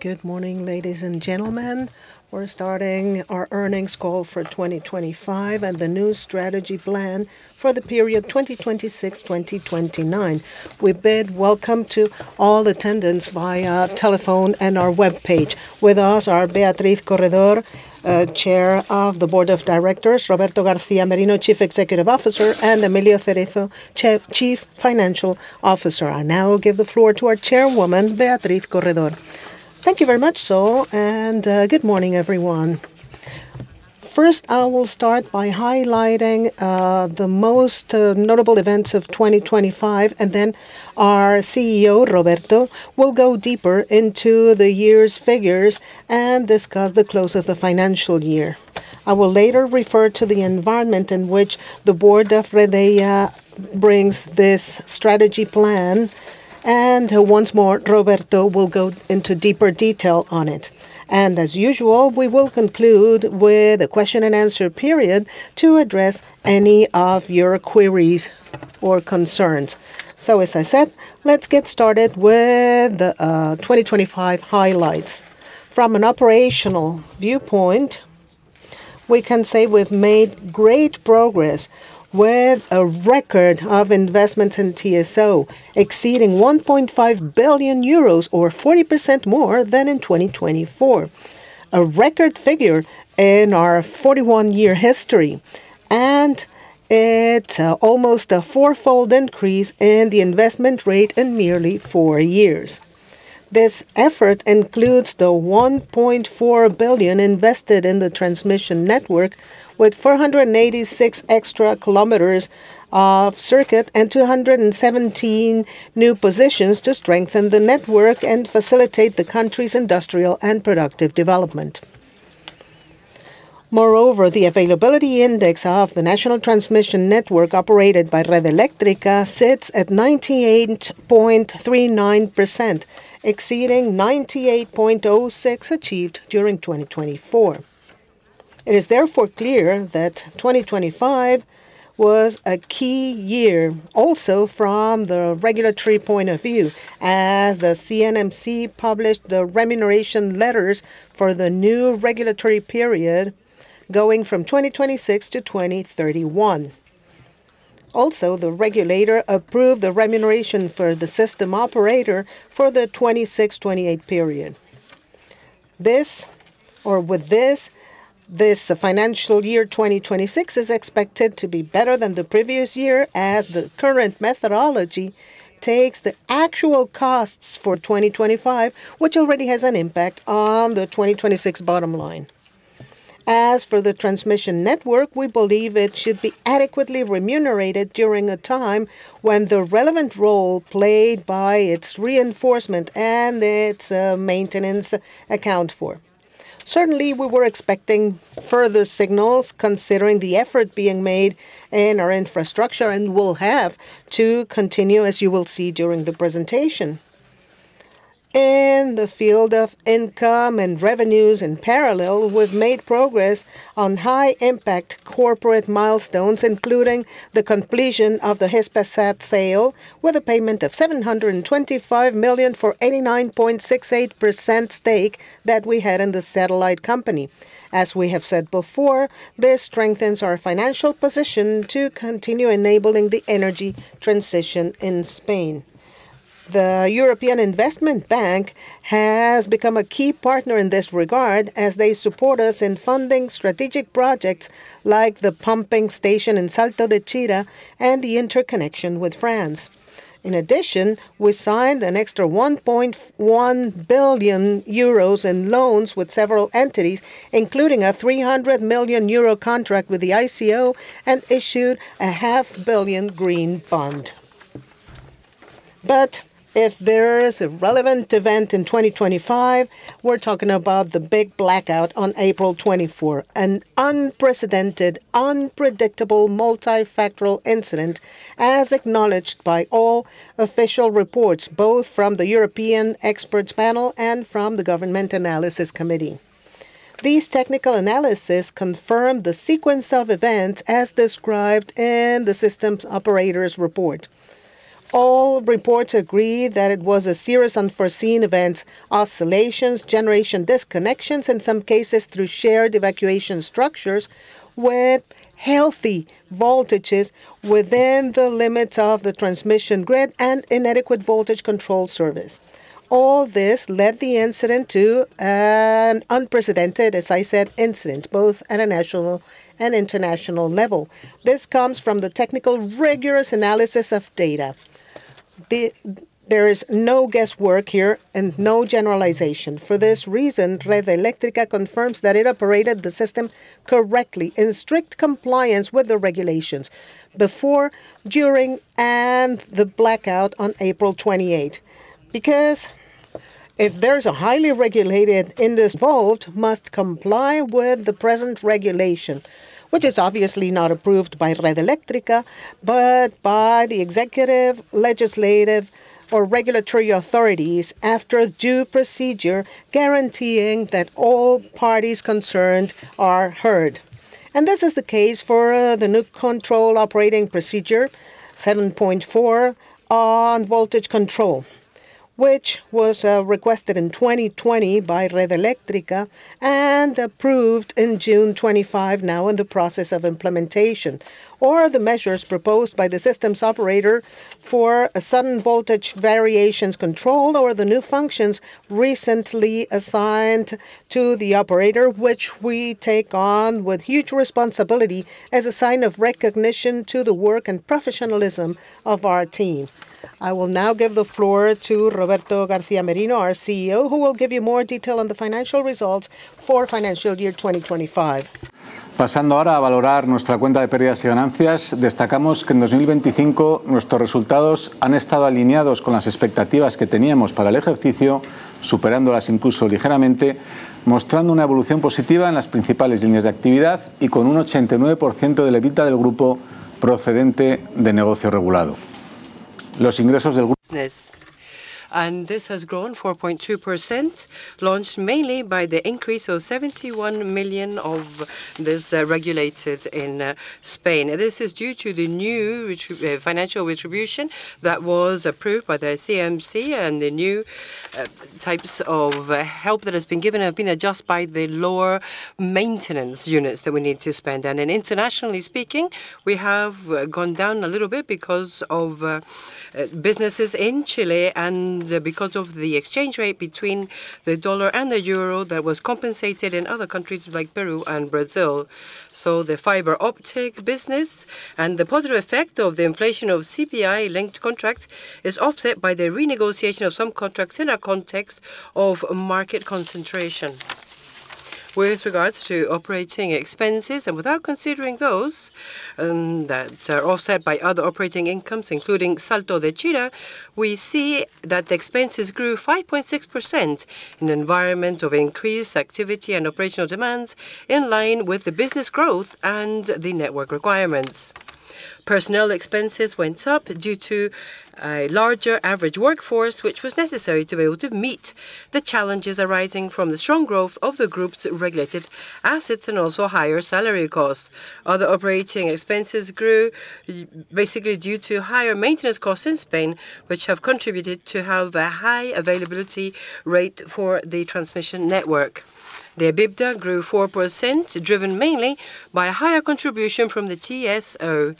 Good morning, ladies and gentlemen. We're starting our earnings call for 2025 and the new strategy plan for the period 2026, 2029. We bid welcome to all attendants via telephone and our webpage. With us are Beatriz Corredor, Chair of the Board of Directors, Roberto García Merino, Chief Executive Officer, and Emilio Cerezo, Chief Financial Officer. I now give the floor to our chairwoman, Beatriz Corredor. Thank you very much, Sol, and good morning, everyone. First, I will start by highlighting the most notable events of 2025, and then our CEO, Roberto, will go deeper into the year's figures and discuss the close of the financial year. I will later refer to the environment in which the board of Redeia brings this strategy plan, and once more, Roberto will go into deeper detail on it. As usual, we will conclude with a question and answer period to address any of your queries or concerns. As I said, let's get started with the 2025 highlights. From an operational viewpoint, we can say we've made great progress with a record of investments in TSO, exceeding 1.5 billion euros or 40% more than in 2024, a record figure in our 41-year history, and it's almost a 4-fold increase in the investment rate in nearly 4 years. This effort includes the 1.4 billion invested in the transmission network, with 486 extra km of circuit and 217 new positions to strengthen the network and facilitate the country's industrial and productive development. Moreover, the availability index of the national transmission network operated by Red Eléctrica sits at 98.39%, exceeding 98.06 achieved during 2024. It is therefore clear that 2025 was a key year, also from the regulatory point of view, as the CNMC published the remuneration letters for the new regulatory period going from 2026 to 2031. The regulator approved the remuneration for the system operator for the 2026-2028 period. With this financial year, 2026, is expected to be better than the previous year, as the current methodology takes the actual costs for 2025, which already has an impact on the 2026 bottom line. As for the transmission network, we believe it should be adequately remunerated during a time when the relevant role played by its reinforcement and its maintenance account for. Certainly, we were expecting further signals, considering the effort being made in our infrastructure, and we'll have to continue, as you will see during the presentation. In the field of income and revenues, in parallel, we've made progress on high-impact corporate milestones, including the completion of the Hispasat sale, with a payment of 725 million for 89.68% stake that we had in the satellite company. As we have said before, this strengthens our financial position to continue enabling the energy transition in Spain. The European Investment Bank has become a key partner in this regard, as they support us in funding strategic projects like the pumping station in Salto de Chira and the interconnection with France. We signed an extra 1.1 billion euros in loans with several entities, including a 300 million euro contract with the ICO, and issued a half billion green bond. If there is a relevant event in 2025, we're talking about the big blackout on April 24, an unprecedented, unpredictable, multifactorial incident, as acknowledged by all official reports, both from the European Expert Panel and from the Government Analysis Committee. These technical analysis confirmed the sequence of events as described in the systems operator's report. All reports agree that it was a serious unforeseen event, oscillations, generation disconnections, in some cases through shared evacuation structures, with healthy voltages within the limits of the transmission grid and inadequate voltage control service. All this led the incident to an unprecedented, as I said, incident, both at a national and international level. This comes from the technical, rigorous analysis of data. There is no guesswork here and no generalization. For this reason, Red Eléctrica confirms that it operated the system correctly, in strict compliance with the regulations before, during, and the blackout on April 28. If there is a highly regulated involved, must comply with the present regulation, which is obviously not approved by Red Eléctrica, but by the executive, legislative, or regulatory authorities after due procedure, guaranteeing that all parties concerned are heard. This is the case for the new control operating procedure, 7.4 on voltage control, which was requested in 2020 by Red Eléctrica, and approved in June 25, now in the process of implementation. The measures proposed by the system operator for a sudden voltage variations control or the new functions recently assigned to the operator, which we take on with huge responsibility as a sign of recognition to the work and professionalism of our team. I will now give the floor to Roberto García Merino, our CEO, who will give you more detail on the financial results for financial year 2025. Pasando ahora a valorar nuestra cuenta de pérdidas y ganancias, destacamos que en 2025 nuestros resultados han estado alineados con las expectativas que teníamos para el ejercicio, superándolas incluso ligeramente, mostrando una evolución positiva en las principales líneas de actividad y con un 89% del EBITDA del grupo procedente de negocio regulado. Business, this has grown 4.2%, launched mainly by the increase of 71 million of this regulated in Spain. This is due to the new financial retribution that was approved by the CNMC and the new types of help that has been given have been adjusted by the lower maintenance units that we need to spend. Internationally speaking, we have gone down a little bit because of businesses in Chile and because of the exchange rate between the dollar and the euro that was compensated in other countries like Peru and Brazil. The fiber optic business and the positive effect of the inflation of CPI-linked contracts is offset by the renegotiation of some contracts in a context of market concentration. With regards to operating expenses, and without considering those that are offset by other operating incomes, including Salto de Chira, we see that the expenses grew 5.6% in an environment of increased activity and operational demands, in line with the business growth and the network requirements. Personnel expenses went up due to a larger average workforce, which was necessary to be able to meet the challenges arising from the strong growth of the group's regulated assets and also higher salary costs. Other operating expenses grew basically due to higher maintenance costs in Spain, which have contributed to have a high availability rate for the transmission network. The EBITDA grew 4%, driven mainly by a higher contribution from the TSO.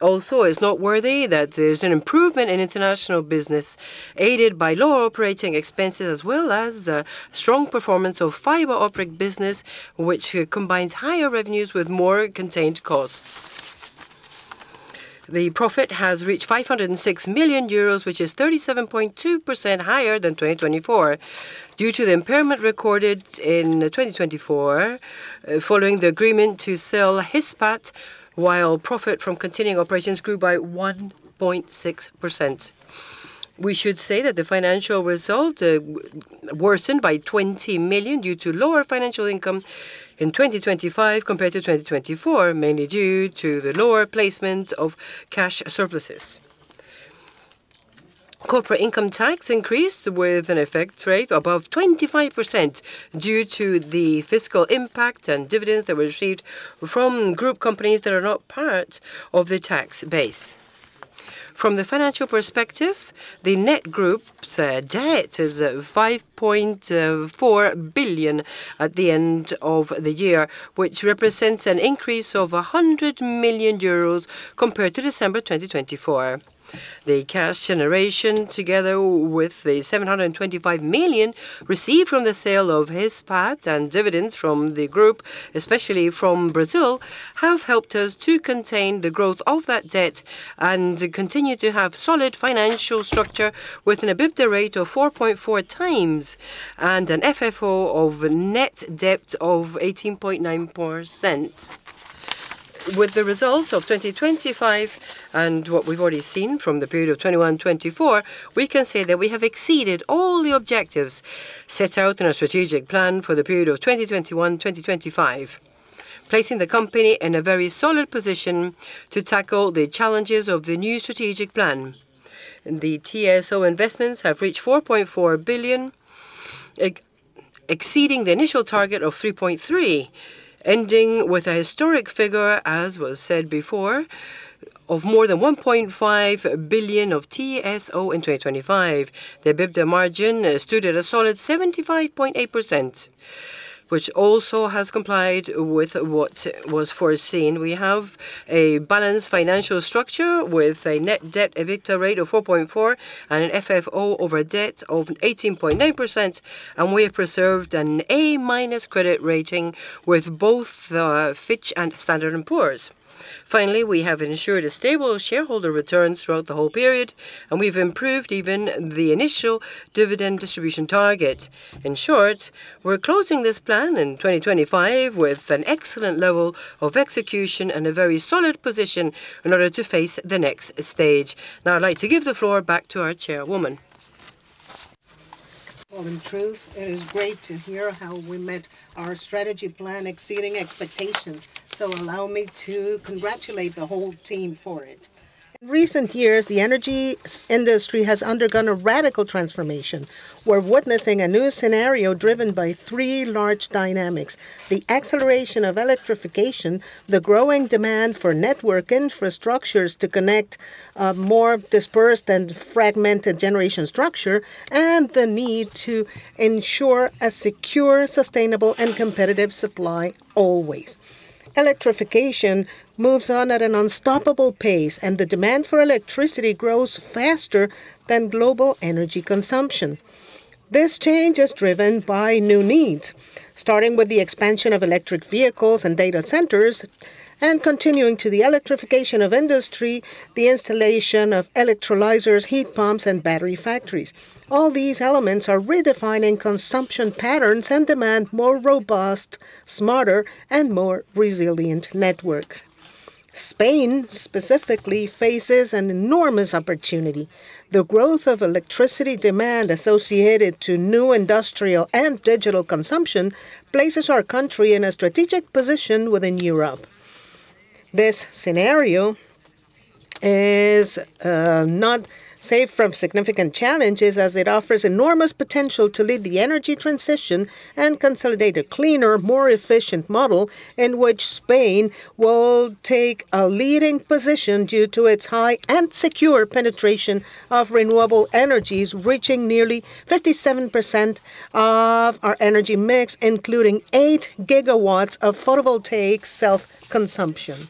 It's noteworthy that there's an improvement in international business, aided by lower OpEx, as well as strong performance of fiber optic business, which combines higher revenues with more contained costs. The profit has reached 506 million euros, which is 37.2% higher than 2024, due to the impairment recorded in 2024, following the agreement to sell Hispasat, while profit from continuing operations grew by 1.6%. We should say that the financial result worsened by 20 million due to lower financial income in 2025 compared to 2024, mainly due to the lower placement of cash surpluses. Corporate income tax increased with an effect rate above 25% due to the fiscal impact and dividends that were received from group companies that are not part of the tax base. From the financial perspective, the net group's debt is 5.4 billion at the end of the year, which represents an increase of 100 million euros compared to December 2024. The cash generation, together with the 725 million received from the sale of Hispasat and dividends from the group, especially from Brazil, have helped us to contain the growth of that debt and continue to have solid financial structure, with an EBITDA rate of 4.4x and an FFO of net debt of 18.9%. With the results of 2025, and what we've already seen from the period of 2021-2024, we can say that we have exceeded all the objectives set out in our strategic plan for the period of 2021, 2025, placing the company in a very solid position to tackle the challenges of the new strategic plan. The TSO investments have reached 4.4 billion, exceeding the initial target of 3.3 billion, ending with a historic figure, as was said before, of more than 1.5 billion of TSO in 2025. The EBITDA margin stood at a solid 75.8%, which also has complied with what was foreseen. We have a balanced financial structure with a net debt EBITDA rate of 4.4 and an FFO over a debt of 18.9%, and we have preserved an A- credit rating with both Fitch and Standard & Poor's. Finally, we have ensured a stable shareholder returns throughout the whole period, and we've improved even the initial dividend distribution target. In short, we're closing this plan in 2025 with an excellent level of execution and a very solid position in order to face the next stage. Now, I'd like to give the floor back to our chairwoman. Well, in truth, it is great to hear how we met our strategy plan exceeding expectations, so allow me to congratulate the whole team for it. In recent years, the energy industry has undergone a radical transformation. We're witnessing a new scenario driven by 3 large dynamics: the acceleration of electrification, the growing demand for network infrastructures to connect more dispersed and fragmented generation structure, and the need to ensure a secure, sustainable, and competitive supply always. Electrification moves on at an unstoppable pace, and the demand for electricity grows faster than global energy consumption. This change is driven by new needs, starting with the expansion of electric vehicles and data centers, and continuing to the electrification of industry, the installation of electrolyzers, heat pumps, and battery factories. All these elements are redefining consumption patterns and demand more robust, smarter, and more resilient networks. Spain specifically faces an enormous opportunity. The growth of electricity demand associated to new industrial and digital consumption places our country in a strategic position within Europe. This scenario is not safe from significant challenges, as it offers enormous potential to lead the energy transition and consolidate a cleaner, more efficient model in which Spain will take a leading position due to its high and secure penetration of renewable energies, reaching nearly 57% of our energy mix, including 8 GW of photovoltaic self-consumption.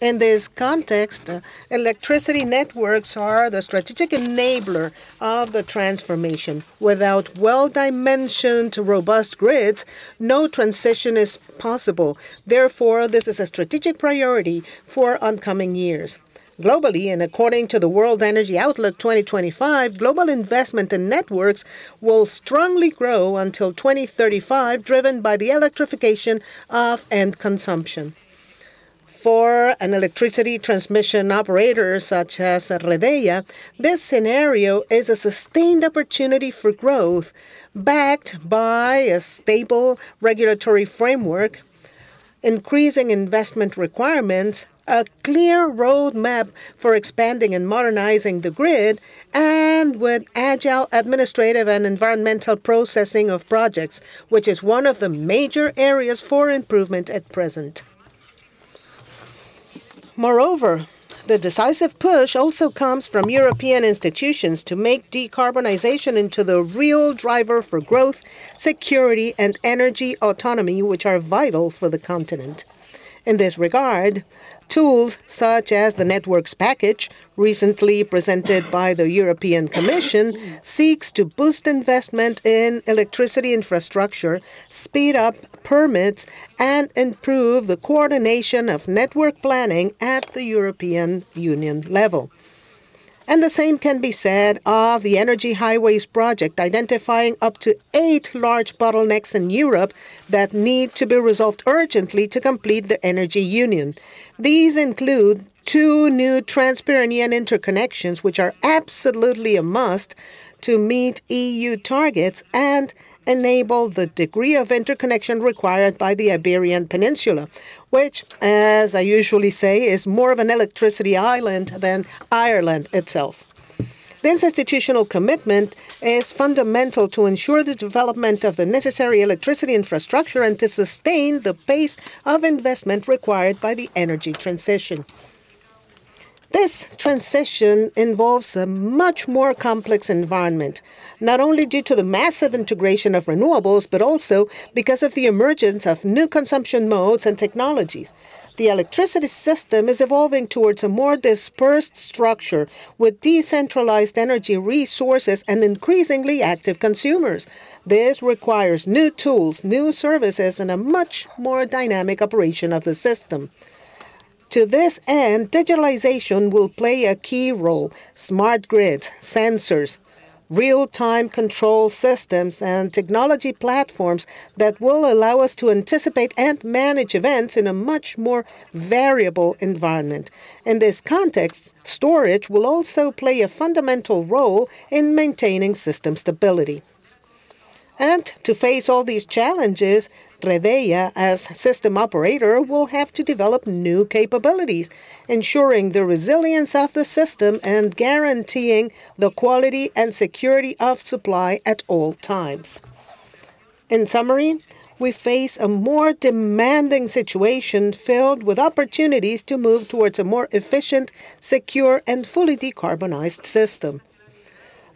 In this context, electricity networks are the strategic enabler of the transformation. Without well-dimensioned, robust grids, no transition is possible. Therefore, this is a strategic priority for oncoming years. Globally, according to the World Energy Outlook 2025, global investment in networks will strongly grow until 2035, driven by the electrification of end consumption. For an electricity transmission operator such as Redeia, this scenario is a sustained opportunity for growth, backed by a stable regulatory framework, increasing investment requirements, a clear roadmap for expanding and modernizing the grid, and with agile administrative and environmental processing of projects, which is one of the major areas for improvement at present. The decisive push also comes from European institutions to make decarbonization into the real driver for growth, security, and energy autonomy, which are vital for the continent. In this regard, tools such as the Networks Package, recently presented by the European Commission, seeks to boost investment in electricity infrastructure, speed up permits, and improve the coordination of network planning at the European Union level. The same can be said of the Energy Highways project, identifying up to eight large bottlenecks in Europe that need to be resolved urgently to complete the energy union. These include two new trans-Iberian interconnections, which are absolutely a must to meet EU targets and enable the degree of interconnection required by the Iberian Peninsula, which, as I usually say, is more of an electricity island than Ireland itself. This institutional commitment is fundamental to ensure the development of the necessary electricity infrastructure and to sustain the pace of investment required by the energy transition. This transition involves a much more complex environment, not only due to the massive integration of renewables, but also because of the emergence of new consumption modes and technologies. The electricity system is evolving towards a more dispersed structure, with decentralized energy resources and increasingly active consumers. This requires new tools, new services, and a much more dynamic operation of the system. To this end, digitalization will play a key role: smart grids, sensors, real-time control systems, and technology platforms that will allow us to anticipate and manage events in a much more variable environment. In this context, storage will also play a fundamental role in maintaining system stability. And to face all these challenges, Redeia, as system operator, will have to develop new capabilities, ensuring the resilience of the system and guaranteeing the quality and security of supply at all times. In summary, we face a more demanding situation filled with opportunities to move towards a more efficient, secure, and fully decarbonized system.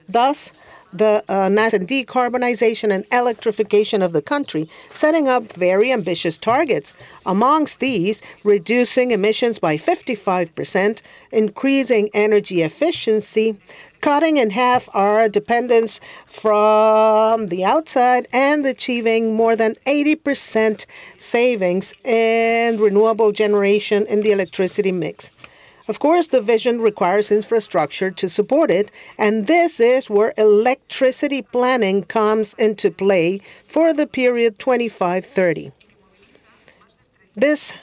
Thus, the net and decarbonization and electrification of the country, setting up very ambitious targets. Amongst these, reducing emissions by 55%, increasing energy efficiency, cutting in half our dependence from the outside, and achieving more than 80% savings and renewable generation in the electricity mix. Of course, the vision requires infrastructure to support it, and this is where electricity planning comes into play for the period 2025-2030. This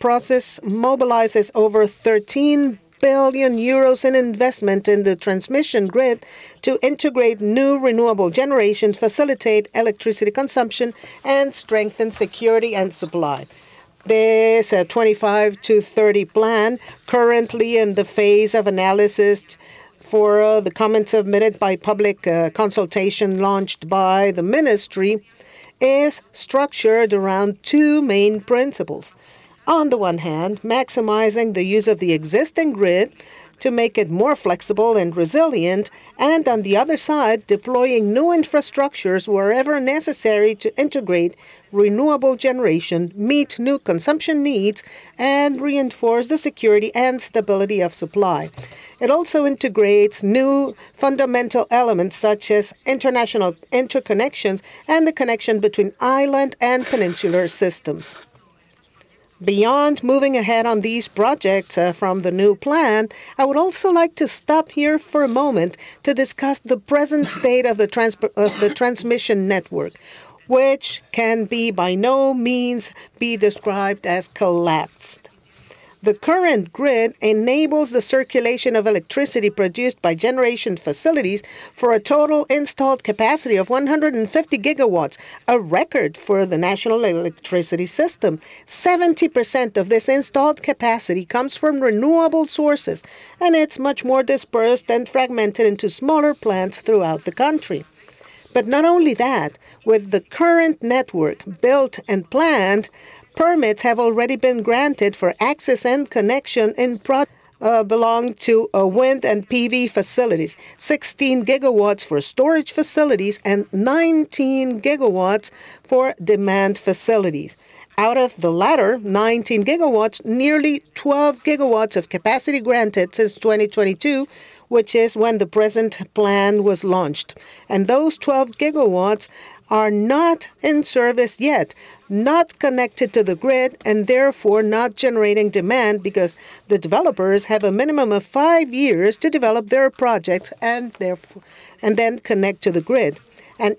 process mobilizes over 13 billion euros in investment in the transmission grid to integrate new renewable generation, facilitate electricity consumption, and strengthen security and supply. This 2025-2030 plan, currently in the phase of analysis for the comments submitted by public consultation launched by the ministry, is structured around two main principles. On the one hand, maximizing the use of the existing grid to make it more flexible and resilient, and on the other side, deploying new infrastructures wherever necessary to integrate renewable generation, meet new consumption needs, and reinforce the security and stability of supply. It also integrates new fundamental elements, such as international interconnections and the connection between island and peninsular systems. Beyond moving ahead on these projects, from the new plan, I would also like to stop here for a moment to discuss the present state of the transmission network, which can be by no means be described as collapsed. The current grid enables the circulation of electricity produced by generation facilities for a total installed capacity of 150GW, a record for the national electricity system. 70% of this installed capacity comes from renewable sources, and it's much more dispersed and fragmented into smaller plants throughout the country. Not only that, with the current network built and planned, permits have already been granted for access and connection belong to wind and PV facilities, 16GW for storage facilities, and 19GW for demand facilities. Out of the latter 19GW, nearly 12GW of capacity granted since 2022, which is when the present plan was launched. Those 12GW are not in service yet, not connected to the grid, and therefore not generating demand because the developers have a minimum of 5 years to develop their projects and then connect to the grid.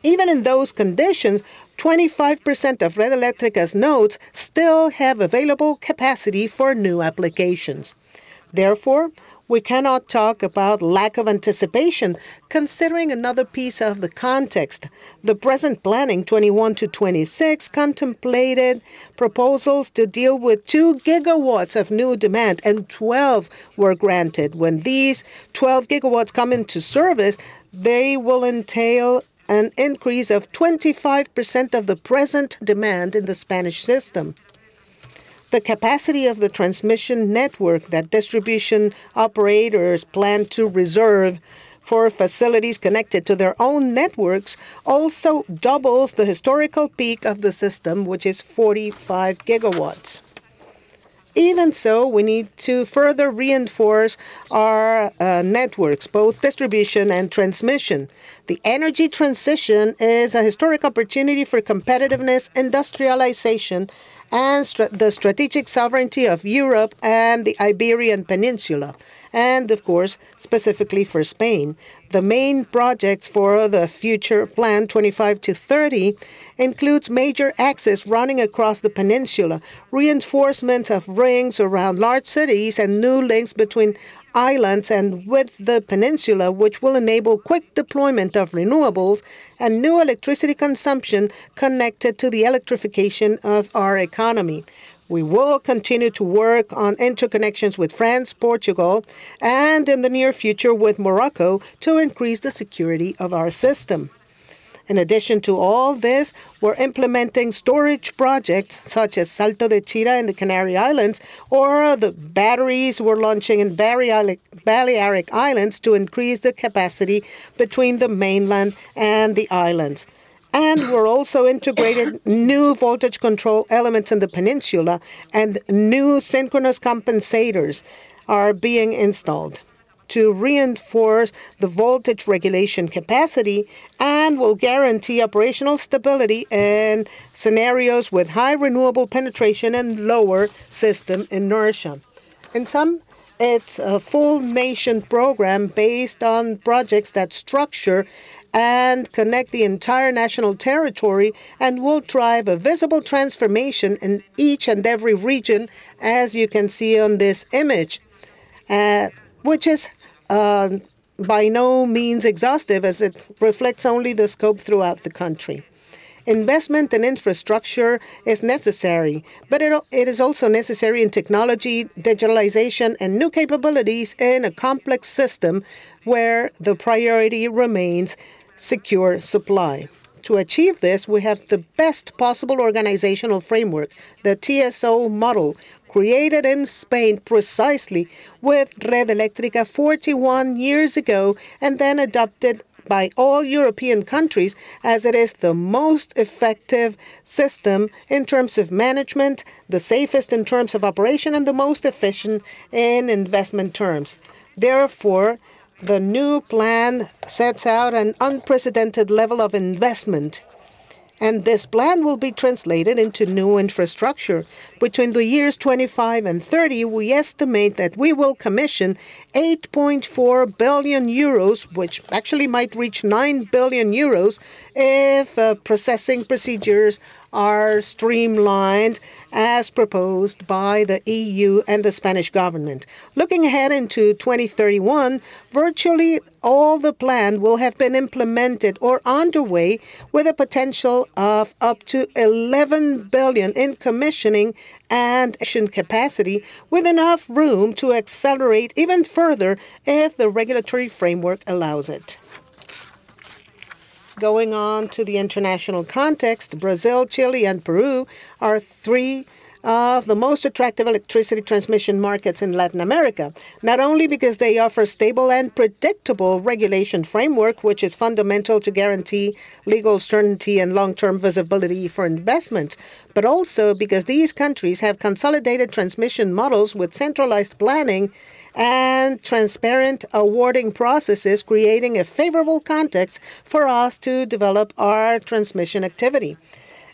Even in those conditions, 25% of Red Eléctrica's nodes still have available capacity for new applications. Therefore, we cannot talk about lack of anticipation considering another piece of the context. The present planning, 2021-2026, contemplated proposals to deal with 2GW of new demand, 12 were granted. When these 12GW come into service, they will entail an increase of 25% of the present demand in the Spanish system. The capacity of the transmission network that distribution operators plan to reserve for facilities connected to their own networks also doubles the historical peak of the system, which is 45GW. Even so, we need to further reinforce our networks, both distribution and transmission. The energy transition is a historic opportunity for competitiveness, industrialization, and the strategic sovereignty of Europe and the Iberian Peninsula, and of course, specifically for Spain. The main projects for the future plan, 25-30, includes major access running across the peninsula, reinforcements of rings around large cities, and new links between islands and with the peninsula, which will enable quick deployment of renewables and new electricity consumption connected to the electrification of our economy. We will continue to work on interconnections with France, Portugal, and in the near future with Morocco, to increase the security of our system. In addition to all this, we're implementing storage projects such as Salto de Chira in the Canary Islands, or the batteries we're launching in Balearic Islands to increase the capacity between the mainland and the islands. We're also integrating new voltage control elements in the peninsula, and new synchronous compensators are being installed to reinforce the voltage regulation capacity and will guarantee operational stability in scenarios with high renewable penetration and lower system inertia. In sum, it's a full nation program based on projects that structure and connect the entire national territory and will drive a visible transformation in each and every region, as you can see on this image, which is by no means exhaustive, as it reflects only the scope throughout the country. Investment in infrastructure is necessary, but it is also necessary in technology, digitalization, and new capabilities in a complex system where the priority remains secure supply. To achieve this, we have the best possible organizational framework, the TSO model, created in Spain precisely with Red Eléctrica 41 years ago, and then adopted by all European countries, as it is the most effective system in terms of management, the safest in terms of operation, and the most efficient in investment terms. The new plan sets out an unprecedented level of investment. This plan will be translated into new infrastructure. Between the years 25 and 30, we estimate that we will commission 8.4 billion euros, which actually might reach 9 billion euros if processing procedures are streamlined as proposed by the EU and the Spanish government. Looking ahead into 2031, virtually all the plan will have been implemented or underway, with a potential of up to 11 billion in commissioning and action capacity, with enough room to accelerate even further if the regulatory framework allows it. Going on to the international context, Brazil, Chile, and Peru are 3 of the most attractive electricity transmission markets in Latin America. Not only because they offer stable and predictable regulation framework, which is fundamental to guarantee legal certainty and long-term visibility for investment, but also because these countries have consolidated transmission models with centralized planning and transparent awarding processes, creating a favorable context for us to develop our transmission activity.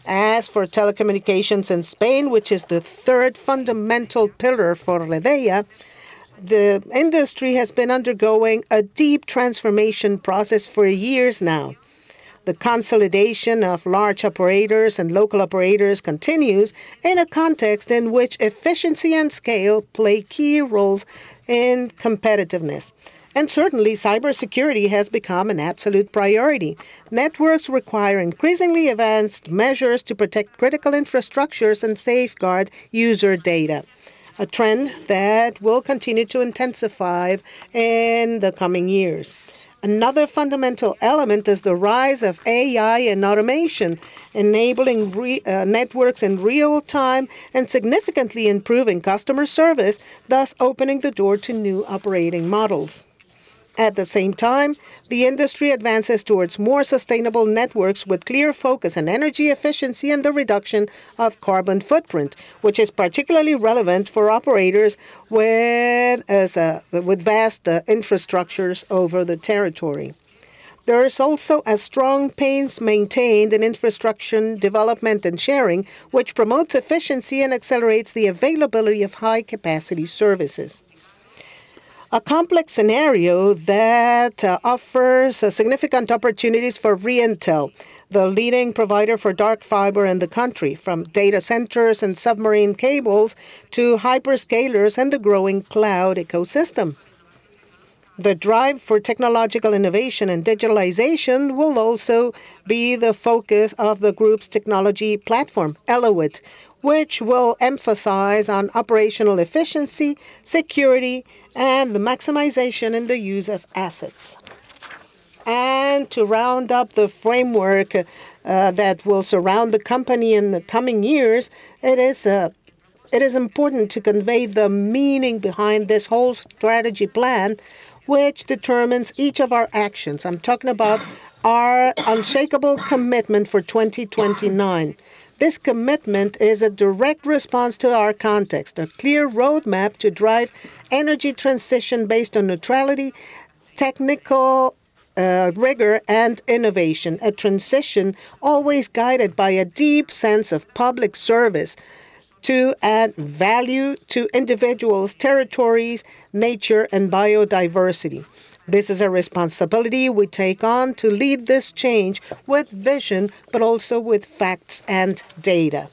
As for telecommunications in Spain, which is the third fundamental pillar for Redeia, the industry has been undergoing a deep transformation process for years now. The consolidation of large operators and local operators continues in a context in which efficiency and scale play key roles in competitiveness, and certainly, cybersecurity has become an absolute priority. Networks require increasingly advanced measures to protect critical infrastructures and safeguard user data, a trend that will continue to intensify in the coming years. Another fundamental element is the rise of AI and automation, enabling networks in real time and significantly improving customer service, thus opening the door to new operating models. At the same time, the industry advances towards more sustainable networks with clear focus on energy efficiency and the reduction of carbon footprint, which is particularly relevant for operators with vast infrastructures over the territory. There is also a strong pace maintained in infrastructure development and sharing, which promotes efficiency and accelerates the availability of high-capacity services. A complex scenario that offers significant opportunities for Reintel, the leading provider for dark fiber in the country, from data centers and submarine cables to hyperscalers and the growing cloud ecosystem. The drive for technological innovation and digitalization will also be the focus of the group's technology platform, Elewit, which will emphasize on operational efficiency, security, and the maximization in the use of assets. To round up the framework that will surround the company in the coming years, it is important to convey the meaning behind this whole strategy plan, which determines each of our actions. I'm talking about our unshakable commitment for 2029. This commitment is a direct response to our context, a clear roadmap to drive energy transition based on neutrality, technical rigor, and innovation. A transition always guided by a deep sense of public service to add value to individuals, territories, nature, and biodiversity. This is a responsibility we take on to lead this change with vision, but also with facts and data.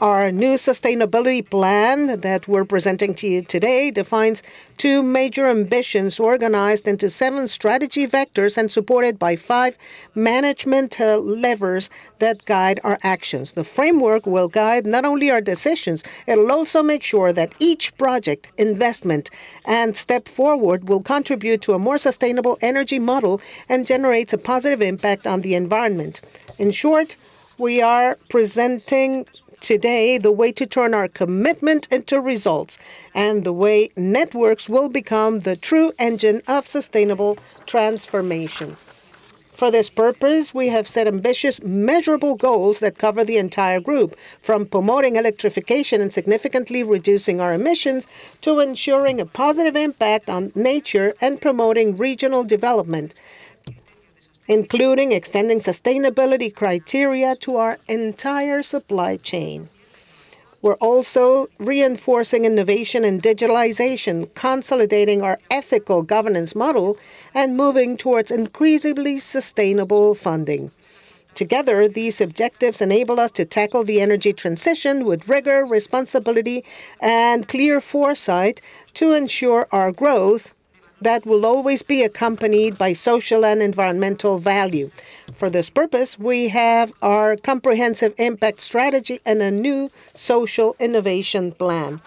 Our new sustainability plan that we're presenting to you today defines 2 major ambitions organized into 7 strategy vectors and supported by 5 managemental levers that guide our actions. The framework will guide not only our decisions, it'll also make sure that each project, investment, and step forward will contribute to a more sustainable energy model and generates a positive impact on the environment. In short, we are presenting today the way to turn our commitment into results, and the way networks will become the true engine of sustainable transformation. For this purpose, we have set ambitious, measurable goals that cover the entire group, from promoting electrification and significantly reducing our emissions, to ensuring a positive impact on nature and promoting regional development, including extending sustainability criteria to our entire supply chain. We're also reinforcing innovation and digitalization, consolidating our ethical governance model, and moving towards increasingly sustainable funding. Together, these objectives enable us to tackle the energy transition with rigor, responsibility, and clear foresight to ensure our growth that will always be accompanied by social and environmental value. For this purpose, we have our comprehensive impact strategy and a new social innovation plan.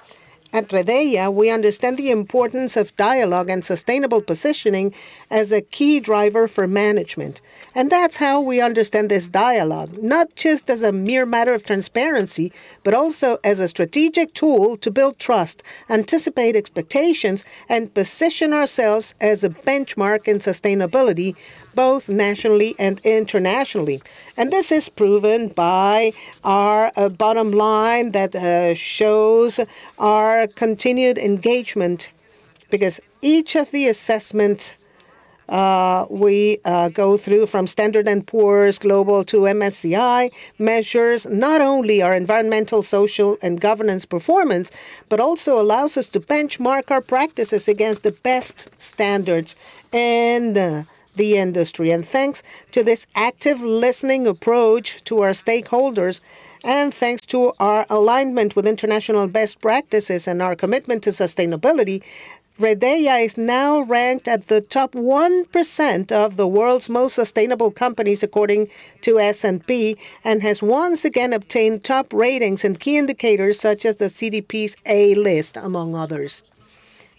At Redeia, we understand the importance of dialogue and sustainable positioning as a key driver for management, that's how we understand this dialogue, not just as a mere matter of transparency, but also as a strategic tool to build trust, anticipate expectations, and position ourselves as a benchmark in sustainability, both nationally and internationally. This is proven by our bottom line that shows our continued engagement. Because each of the assessments we go through, from S&P Global to MSCI, measures not only our environmental, social, and governance performance, but also allows us to benchmark our practices against the best standards in the industry. Thanks to this active listening approach to our stakeholders, and thanks to our alignment with international best practices and our commitment to sustainability, Redeia is now ranked at the top 1% of the world's most sustainable companies, according to S&P, and has once again obtained top ratings in key indicators such as the CDP's A List, among others.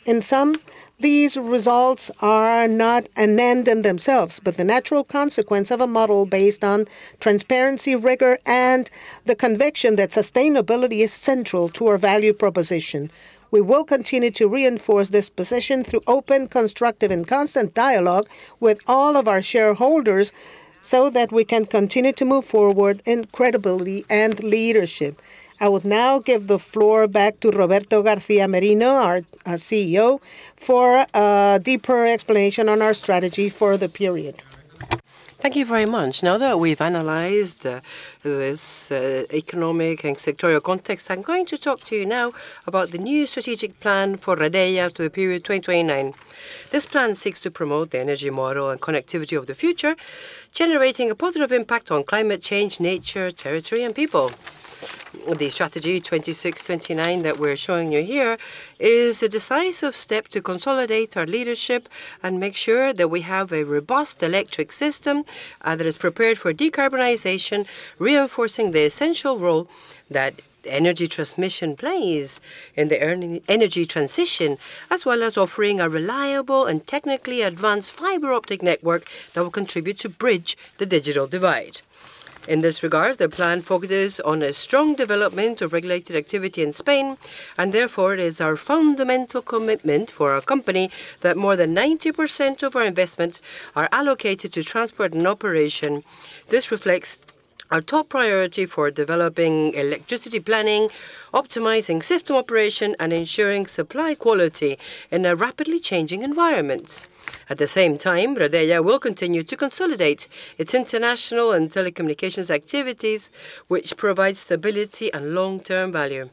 In sum, these results are not an end in themselves, but the natural consequence of a model based on transparency, rigor, and the conviction that sustainability is central to our value proposition. We will continue to reinforce this position through open, constructive, and constant dialogue with all of our shareholders, so that we can continue to move forward in credibility and leadership. I will now give the floor back to Roberto García Merino, our CEO, for a deeper explanation on our strategy for the period. Thank you very much. Now that we've analyzed this economic and sectorial context, I'm going to talk to you now about the new strategic plan for Redeia to the period 2029. This plan seeks to promote the energy model and connectivity of the future, generating a positive impact on climate change, nature, territory, and people. The strategy 2026-2029 that we're showing you here is a decisive step to consolidate our leadership and make sure that we have a robust electric system that is prepared for decarbonization, reinforcing the essential role that energy transmission plays in the energy transition, as well as offering a reliable and technically advanced fiber-optic network that will contribute to bridge the digital divide. In this regard, the plan focuses on a strong development of regulated activity in Spain, and therefore, it is our fundamental commitment for our company that more than 90% of our investments are allocated to transport and operation. This reflects our top priority for developing electricity planning, optimizing system operation, and ensuring supply quality in a rapidly changing environment. At the same time, Redeia will continue to consolidate its international and telecommunications activities, which provide stability and long-term value.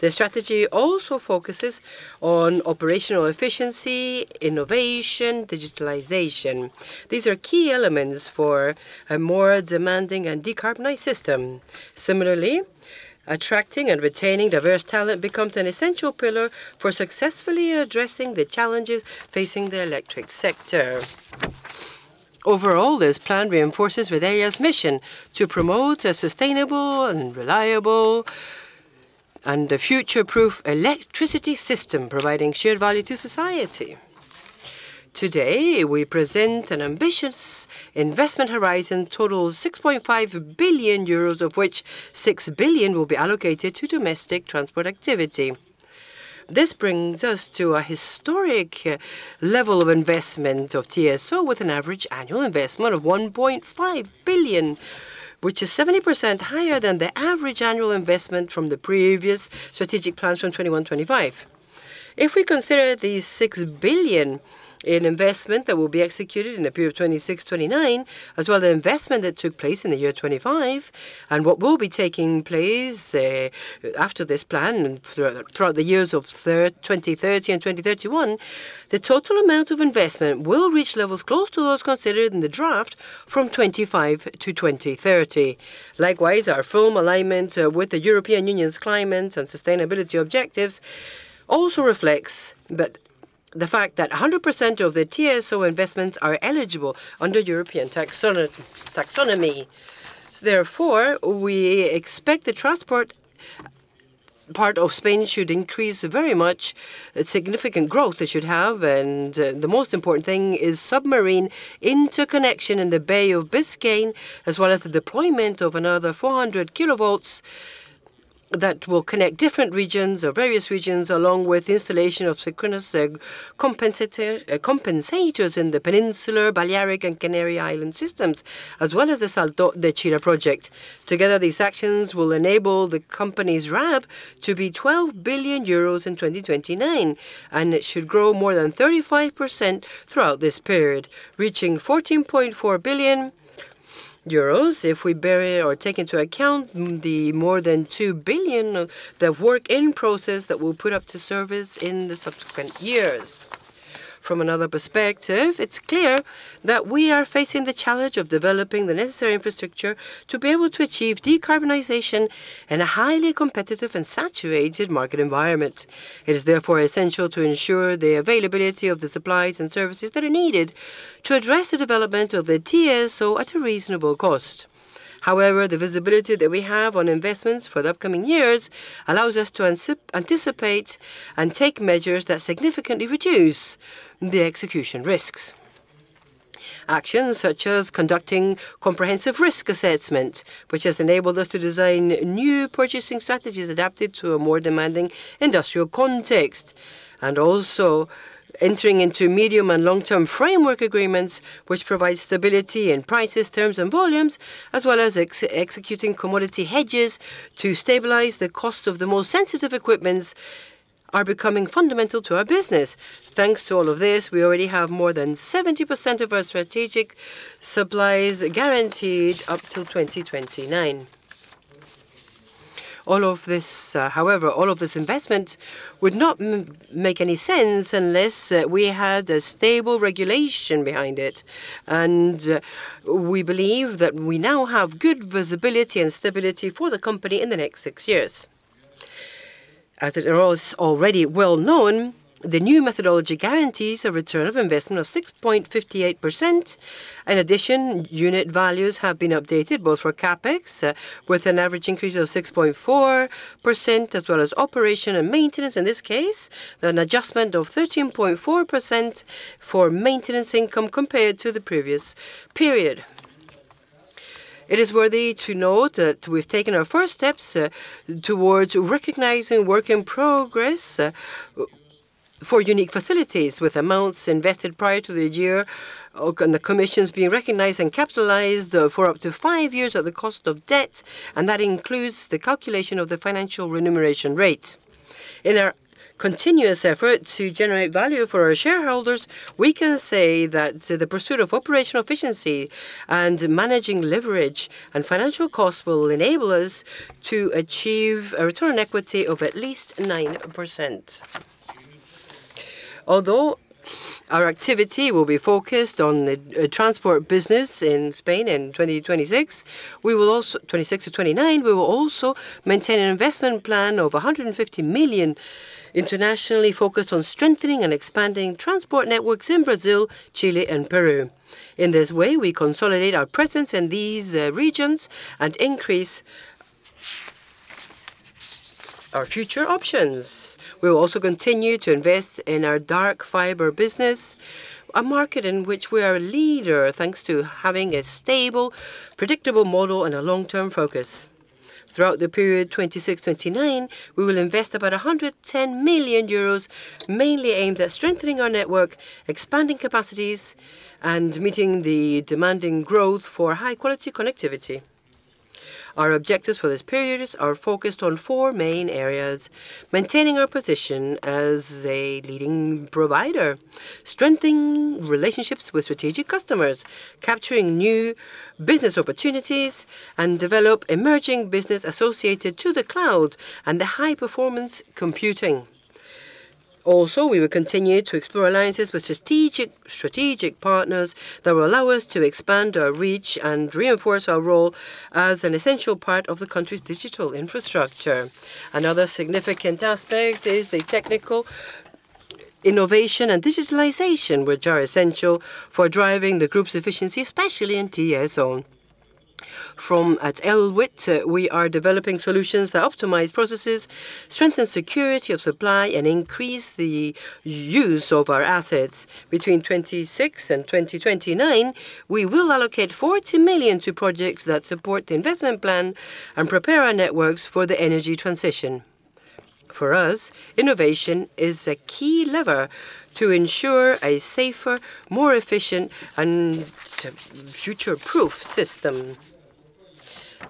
The strategy also focuses on operational efficiency, innovation, digitalization. These are key elements for a more demanding and decarbonized system. Similarly, attracting and retaining diverse talent becomes an essential pillar for successfully addressing the challenges facing the electric sector. Overall, this plan reinforces Redeia's mission to promote a sustainable and reliable and a future-proof electricity system, providing shared value to society. Today, we present an ambitious investment horizon, total 6.5 billion euros, of which 6 billion will be allocated to domestic transport activity. This brings us to a historic level of investment of TSO, with an average annual investment of 1.5 billion, which is 70% higher than the average annual investment from the previous strategic plans from 2021-2025. If we consider the 6 billion in investment that will be executed in the period of 2026-2029, as well as the investment that took place in the year 2025 and what will be taking place after this plan and throughout the years of 2030 and 2031, the total amount of investment will reach levels close to those considered in the draft from 2025-2030. Likewise, our firm alignment with the European Union's climate and sustainability objectives also reflects that the fact that 100% of the TSO investments are eligible under European taxonomy. Therefore, we expect the transport part of Spain should increase very much, a significant growth they should have, and the most important thing is submarine interconnection in the Bay of Biscay, as well as the deployment of another 400 kV that will connect different regions or various regions, along with installation of synchronous compensators in the peninsular, Balearic, and Canary Island systems, as well as the Salto de Chira project. Together, these actions will enable the company's RAB to be 12 billion euros in 2029. It should grow more than 35% throughout this period, reaching 14.4 billion euros if we bury or take into account the more than 2 billion of the work in process that we'll put up to service in the subsequent years. From another perspective, it's clear that we are facing the challenge of developing the necessary infrastructure to be able to achieve decarbonization in a highly competitive and saturated market environment. It is therefore essential to ensure the availability of the supplies and services that are needed to address the development of the TSO at a reasonable cost. However, the visibility that we have on investments for the upcoming years allows us to anticipate and take measures that significantly reduce the execution risks. Actions such as conducting comprehensive risk assessments, which has enabled us to design new purchasing strategies adapted to a more demanding industrial context, and also entering into medium- and long-term framework agreements, which provide stability in prices, terms, and volumes, as well as executing commodity hedges to stabilize the cost of the more sensitive equipment. are becoming fundamental to our business. Thanks to all of this, we already have more than 70% of our strategic supplies guaranteed up till 2029. However, all of this investment would not make any sense unless we had a stable regulation behind it. We believe that we now have good visibility and stability for the company in the next 6 years. As it is already well known, the new methodology guarantees a return of investment of 6.58%. In addition, unit values have been updated, both for CapEx, with an average increase of 6.4%, as well as operation and maintenance, in this case, an adjustment of 13.4% for maintenance income compared to the previous period. It is worthy to note that we've taken our first steps towards recognizing work in progress for unique facilities, with amounts invested prior to the year and the commissions being recognized and capitalized for up to five years at the cost of debt, and that includes the calculation of the financial remuneration rate. In our continuous effort to generate value for our shareholders, we can say that the pursuit of operational efficiency and managing leverage and financial costs will enable us to achieve a return on equity of at least 9%. Although our activity will be focused on the transport business in Spain in 2026-2029, we will also maintain an investment plan of 150 million, internationally focused on strengthening and expanding transport networks in Brazil, Chile, and Peru. In this way, we consolidate our presence in these regions and increase our future options. We will also continue to invest in our dark fiber business, a market in which we are a leader, thanks to having a stable, predictable model and a long-term focus. Throughout the period 2026-2029, we will invest about 110 million euros, mainly aimed at strengthening our network, expanding capacities, and meeting the demanding growth for high-quality connectivity. Our objectives for this period are focused on four main areas: maintaining our position as a leading provider, strengthening relationships with strategic customers, capturing new business opportunities, and develop emerging business associated to the cloud and the high-performance computing. We will continue to explore alliances with strategic partners that will allow us to expand our reach and reinforce our role as an essential part of the country's digital infrastructure. Another significant aspect is the technical innovation and digitalization, which are essential for driving the group's efficiency, especially in TSO. From Elewit, we are developing solutions that optimize processes, strengthen security of supply, and increase the use of our assets. Between 26 and 2029, we will allocate 40 million to projects that support the investment plan and prepare our networks for the energy transition. For us, innovation is a key lever to ensure a safer, more efficient, and future-proof system.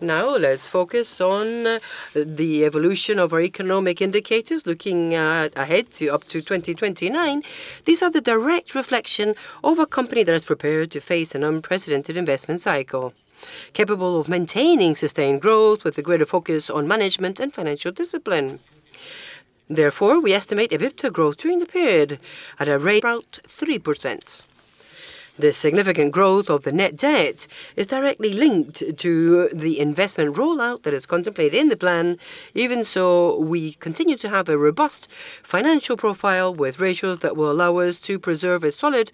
Now, let's focus on the evolution of our economic indicators. Looking ahead to up to 2029, these are the direct reflection of a company that is prepared to face an unprecedented investment cycle, capable of maintaining sustained growth with a greater focus on management and financial discipline. Therefore, we estimate EBITDA growth during the period at a rate about 3%. The significant growth of the net debt is directly linked to the investment rollout that is contemplated in the plan. Even so, we continue to have a robust financial profile, with ratios that will allow us to preserve a solid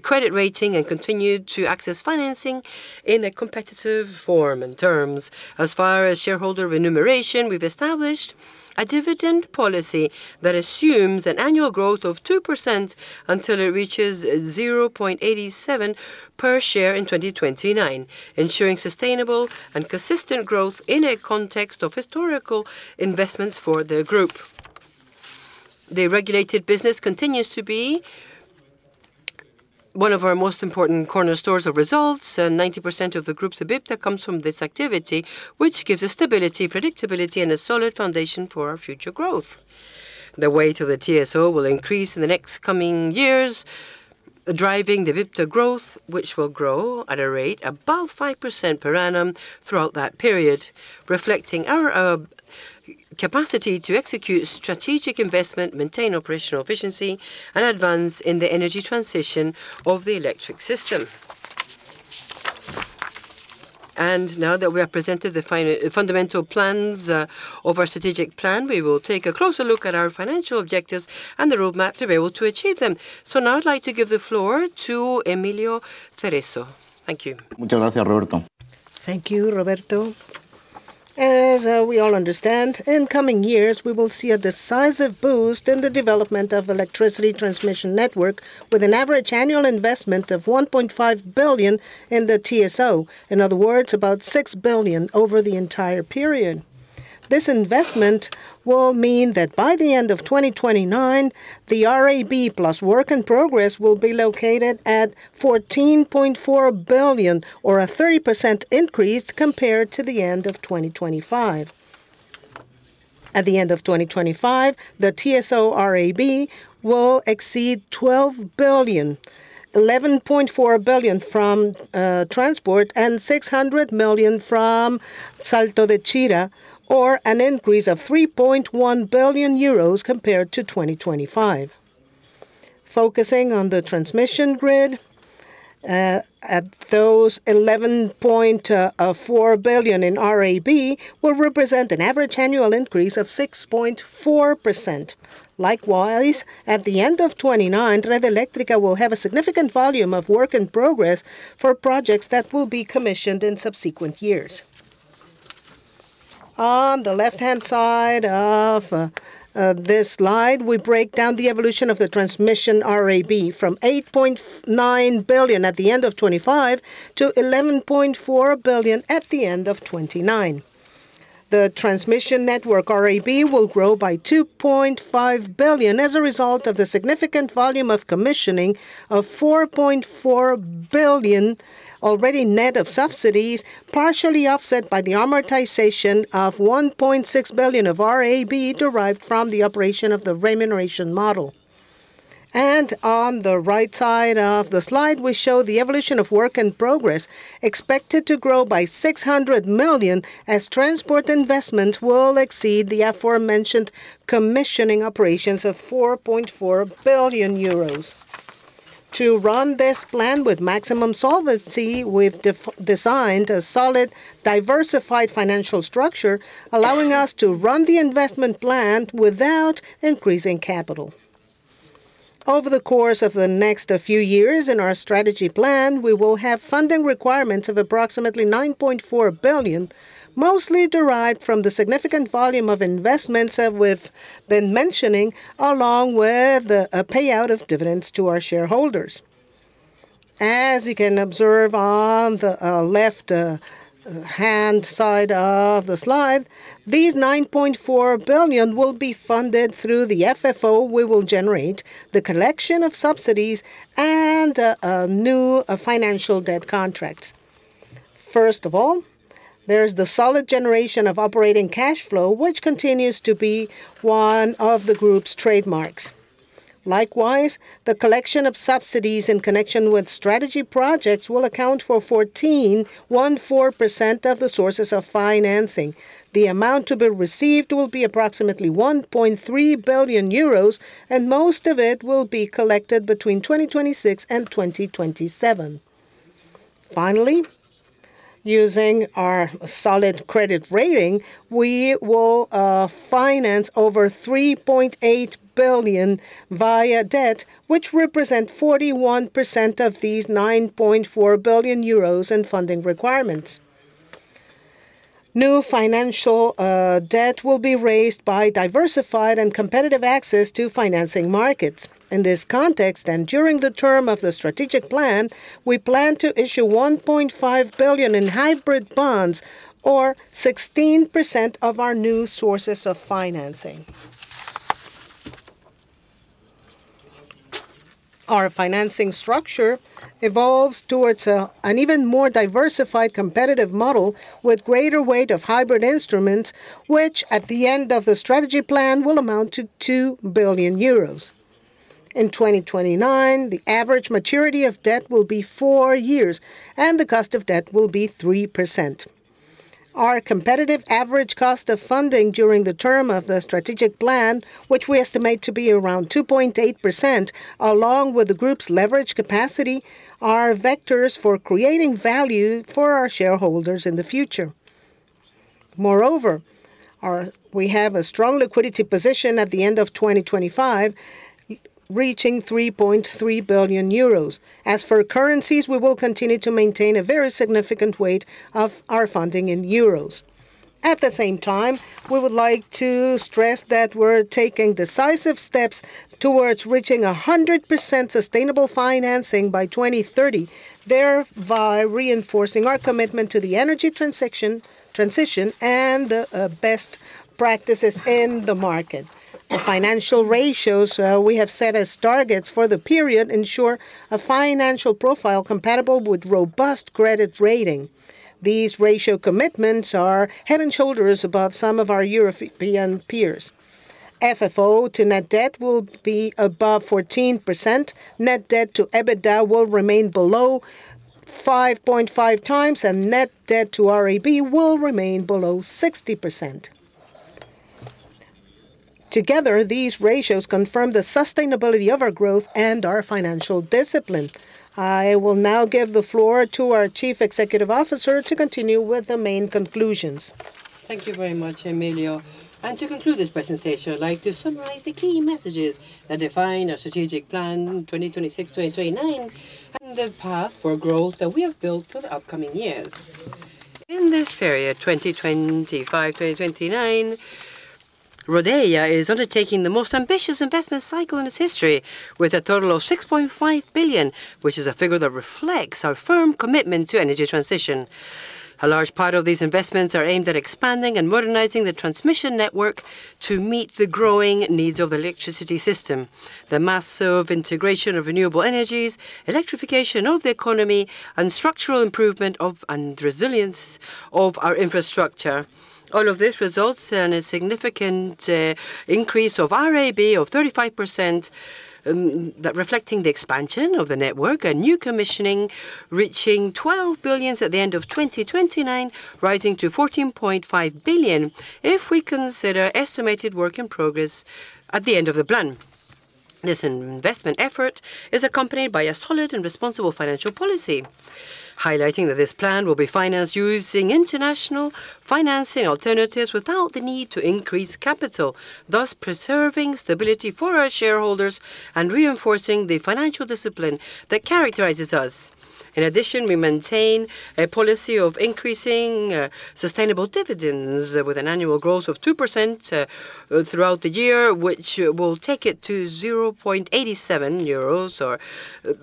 credit rating and continue to access financing in a competitive form and terms. As far as shareholder remuneration, we've established a dividend policy that assumes an annual growth of 2% until it reaches 0.87 per share in 2029, ensuring sustainable and consistent growth in a context of historical investments for the group. The regulated business continues to be one of our most important cornerstones of results, and 90% of the group's EBITDA comes from this activity, which gives us stability, predictability, and a solid foundation for our future growth. The weight of the TSO will increase in the next coming years, driving the EBITDA growth, which will grow at a rate above 5% per annum throughout that period, reflecting our capacity to execute strategic investment, maintain operational efficiency, and advance in the energy transition of the electric system. Now that we have presented the fundamental plans of our strategic plan, we will take a closer look at our financial objectives and the roadmap to be able to achieve them. Now I'd like to give the floor to Emilio Cerezo. Thank you. Thank you, Roberto. As we all understand, in coming years, we will see a decisive boost in the development of electricity transmission network, with an average annual investment of 1.5 billion in the TSO. In other words, about 6 billion over the entire period. This investment will mean that by the end of 2029, the RAB plus work in progress will be located at 14.4 billion, or a 30% increase compared to the end of 2025. At the end of 2025, the TSO RAB will exceed 12 billion, 11.4 billion from transport, and 600 million from Salto de Chira, or an increase of 3.1 billion euros compared to 2025. Focusing on the transmission grid, at those 11.4 billion in RAB will represent an average annual increase of 6.4%. Likewise, at the end of 2029, Red Eléctrica will have a significant volume of work in progress for projects that will be commissioned in subsequent years. On the left-hand side of this slide, we break down the evolution of the transmission RAB from 8.9 billion at the end of 2025 to 11.4 billion at the end of 2029. The transmission network RAB will grow by 2.5 billion as a result of the significant volume of commissioning of 4.4 billion, already net of subsidies, partially offset by the amortization of 1.6 billion of RAB derived from the operation of the remuneration model. On the right side of the slide, we show the evolution of work in progress, expected to grow by 600 million, as transport investment will exceed the aforementioned commissioning operations of 4.4 billion euros. To run this plan with maximum solvency, we've designed a solid, diversified financial structure, allowing us to run the investment plan without increasing capital. Over the course of the next few years in our strategy plan, we will have funding requirements of approximately 9.4 billion, mostly derived from the significant volume of investments that we've been mentioning, along with a payout of dividends to our shareholders. As you can observe on the left-hand side of the slide, these 9.4 billion will be funded through the FFO we will generate, the collection of subsidies, and a new financial debt contracts. First of all, there's the solid generation of operating cash flow, which continues to be one of the group's trademarks. Likewise, the collection of subsidies in connection with strategy projects will account for 14% of the sources of financing. The amount to be received will be approximately 1.3 billion euros, and most of it will be collected between 2026 and 2027. Finally, using our solid credit rating, we will finance over 3.8 billion via debt, which represent 41% of these 9.4 billion euros in funding requirements. New financial debt will be raised by diversified and competitive access to financing markets. In this context, and during the term of the strategic plan, we plan to issue 1.5 billion in hybrid bonds or 16% of our new sources of financing. Our financing structure evolves towards an even more diversified, competitive model with greater weight of hybrid instruments, which at the end of the strategy plan, will amount to 2 billion euros. In 2029, the average maturity of debt will be 4 years, and the cost of debt will be 3%. Our competitive average cost of funding during the term of the strategic plan, which we estimate to be around 2.8%, along with the group's leverage capacity, are vectors for creating value for our shareholders in the future. Moreover, we have a strong liquidity position at the end of 2025, reaching 3.3 billion euros. As for currencies, we will continue to maintain a very significant weight of our funding in euros. At the same time, we would like to stress that we're taking decisive steps towards reaching 100% sustainable financing by 2030, thereby reinforcing our commitment to the energy transaction, transition and best practices in the market. The financial ratios we have set as targets for the period ensure a financial profile compatible with robust credit rating. These ratio commitments are head and shoulders above some of our European peers. FFO to net debt will be above 14%, net debt to EBITDA will remain below 5.5x, and net debt to RAB will remain below 60%. Together, these ratios confirm the sustainability of our growth and our financial discipline. I will now give the floor to our Chief Executive Officer to continue with the main conclusions. Thank you very much, Emilio. To conclude this presentation, I'd like to summarize the key messages that define our strategic plan, 2026-2029, and the path for growth that we have built for the upcoming years. In this period, 2025-2029. Redeia is undertaking the most ambitious investment cycle in its history, with a total of 6.5 billion, which is a figure that reflects our firm commitment to energy transition. A large part of these investments are aimed at expanding and modernizing the transmission network to meet the growing needs of the electricity system, the massive integration of renewable energies, electrification of the economy, and structural improvement of, and resilience of our infrastructure. All of this results in a significant increase of RAB of 35%, that reflecting the expansion of the network, a new commissioning reaching 12 billions at the end of 2029, rising to 14.5 billion if we consider estimated work in progress at the end of the plan. This investment effort is accompanied by a solid and responsible financial policy, highlighting that this plan will be financed using international financing alternatives without the need to increase capital, thus preserving stability for our shareholders and reinforcing the financial discipline that characterizes us. In addition, we maintain a policy of increasing sustainable dividends with an annual growth of 2% throughout the year, which will take it to 0.87 euros or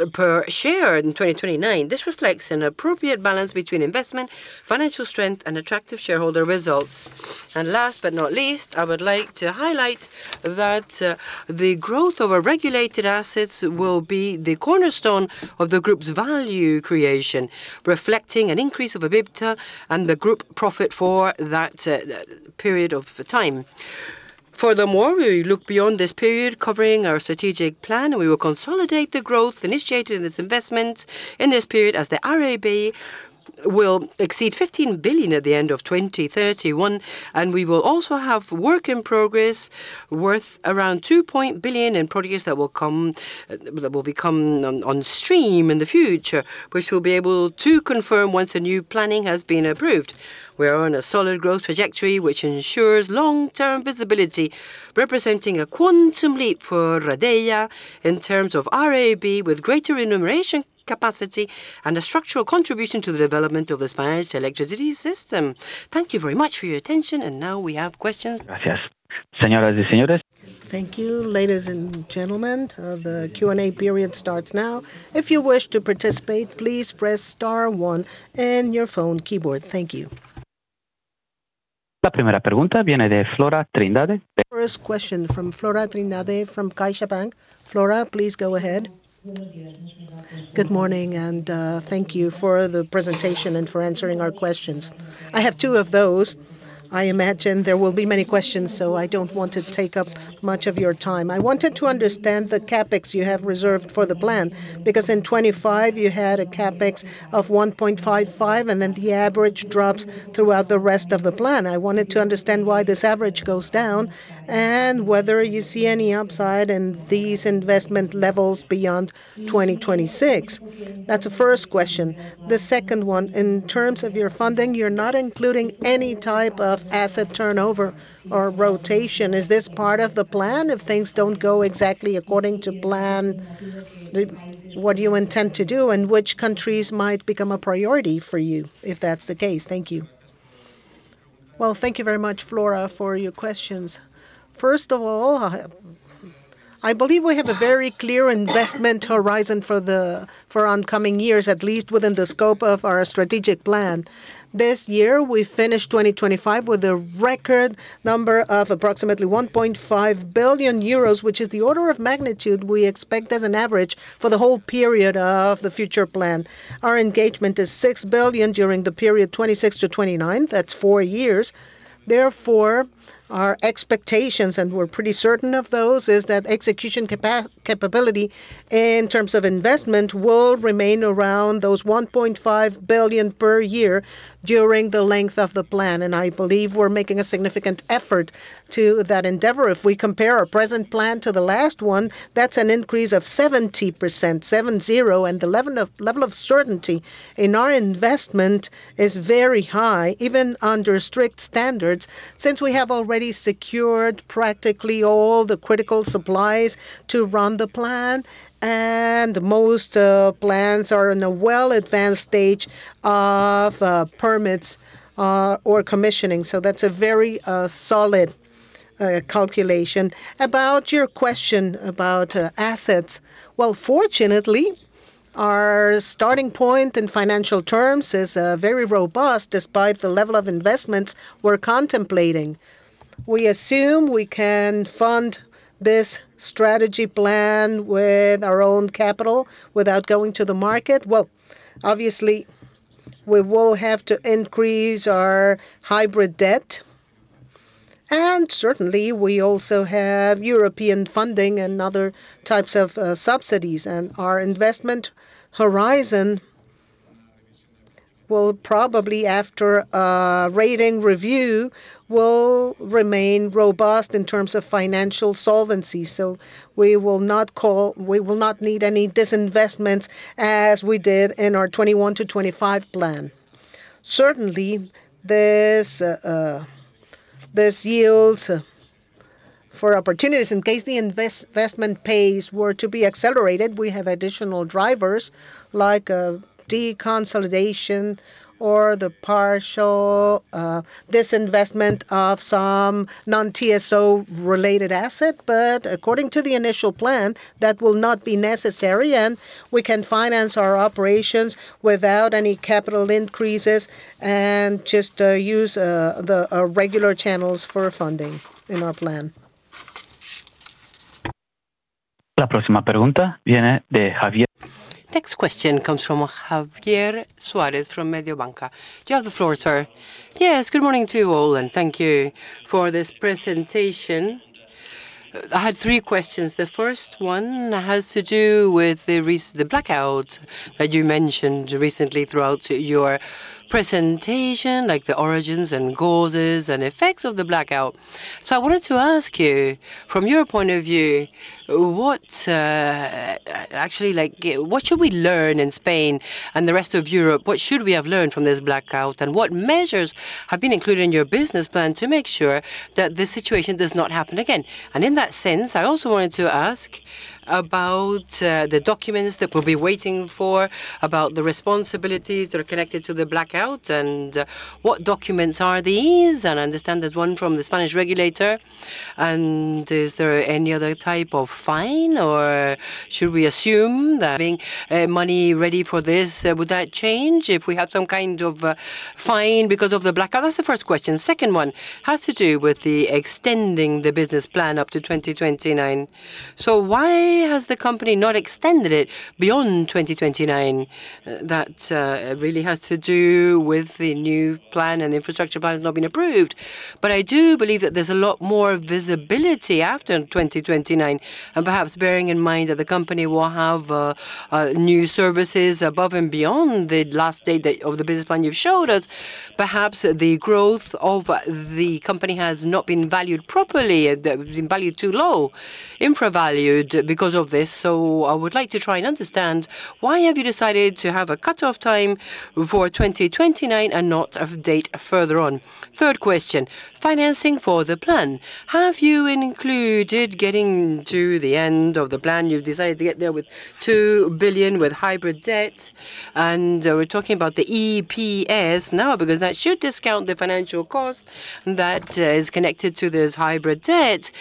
per share in 2029. This reflects an appropriate balance between investment, financial strength, and attractive shareholder results. Last but not least, I would like to highlight that the growth of our regulated assets will be the cornerstone of the group's value creation, reflecting an increase of EBITDA and the group profit for that period of time. Furthermore, we look beyond this period covering our strategic plan. We will consolidate the growth initiated in this investment in this period, as the RAB will exceed 15 billion at the end of 2031. We will also have work in progress worth around 2 billion in projects that will come on stream in the future, which we'll be able to confirm once the new planning has been approved. We are on a solid growth trajectory, which ensures long-term visibility, representing a quantum leap for Redeia in terms of RAB, with greater remuneration capacity and a structural contribution to the development of the Spanish electricity system. Thank you very much for your attention. Now we have questions. Thank you, ladies and gentlemen. The Q&A period starts now. If you wish to participate, please press star one in your phone keyboard. Thank you. First question from Flora Trindade from CaixaBank. Flora, please go ahead. Good morning, thank you for the presentation and for answering our questions. I have two of those. I imagine there will be many questions, so I don't want to take up much of your time. I wanted to understand the CapEx you have reserved for the plan, because in 2025 you had a CapEx of 1.55, and then the average drops throughout the rest of the plan. I wanted to understand why this average goes down and whether you see any upside in these investment levels beyond 2026. That's the first question. The second one: in terms of your funding, you're not including any type of asset turnover or rotation. Is this part of the plan? If things don't go exactly according to plan, what do you intend to do, and which countries might become a priority for you if that's the case? Thank you. Well, thank you very much, Flora, for your questions. First of all, I believe we have a very clear investment horizon for oncoming years, at least within the scope of our strategic plan. This year, we finished 2025 with a record number of approximately 1.5 billion euros, which is the order of magnitude we expect as an average for the whole period of the future plan. Our engagement is 6 billion during the period 2026-2029. That's four years. Our expectations, and we're pretty certain of those, is that execution capability in terms of investment will remain around those 1.5 billion per year during the length of the plan, and I believe we're making a significant effort to that endeavor. If we compare our present plan to the last one, that's an increase of 70%, seven zero, and the level of certainty in our investment is very high, even under strict standards, since we have already secured practically all the critical supplies to run the plan, and most plans are in a well-advanced stage of permits or commissioning. That's a very solid calculation. About your question about assets, well, fortunately, our starting point in financial terms is very robust, despite the level of investments we're contemplating. We assume we can fund this strategy plan with our own capital without going to the market. Well, obviously, we will have to increase our hybrid debt, and certainly, we also have European funding and other types of subsidies. Our investment horizon will probably, after a rating review, will remain robust in terms of financial solvency. We will not need any disinvestments as we did in our 21-25 plan. Certainly, this yields.... for opportunities in case the investment pace were to be accelerated, we have additional drivers like deconsolidation or the partial disinvestment of some non-TSO related asset. According to the initial plan, that will not be necessary, and we can finance our operations without any capital increases and just use the regular channels for funding in our plan. Next question comes from Javier Suarez from Mediobanca. You have the floor, sir. Yes, good morning to you all. Thank you for this presentation. I had three questions. The first one has to do with the blackout that you mentioned recently throughout your presentation, like the origins and causes and effects of the blackout. I wanted to ask you, from your point of view, what actually, like, what should we learn in Spain and the rest of Europe? What should we have learned from this blackout, and what measures have been included in your business plan to make sure that this situation does not happen again? In that sense, I also wanted to ask about the documents that we'll be waiting for, about the responsibilities that are connected to the blackout, and what documents are these? I understand there's one from the Spanish regulator, is there any other type of fine, or should we assume that having money ready for this, would that change if we have some kind of fine because of the blackout? That's the first question. Second one has to do with extending the business plan up to 2029. Why has the company not extended it beyond 2029? That really has to do with the new plan, the infrastructure plan has not been approved. I do believe that there's a lot more visibility after 2029, perhaps bearing in mind that the company will have new services above and beyond the last date of the business plan you've showed us, perhaps the growth of the company has not been valued properly. The, been valued too low, infra valued because of this. I would like to try and understand, why have you decided to have a cutoff time for 2029 and not a date further on? Third question: financing for the plan. Have you included getting to the end of the plan? You've decided to get there with 2 billion with hybrid debt, and we're talking about the EPS now, because that should discount the financial cost that is connected to this hybrid debt.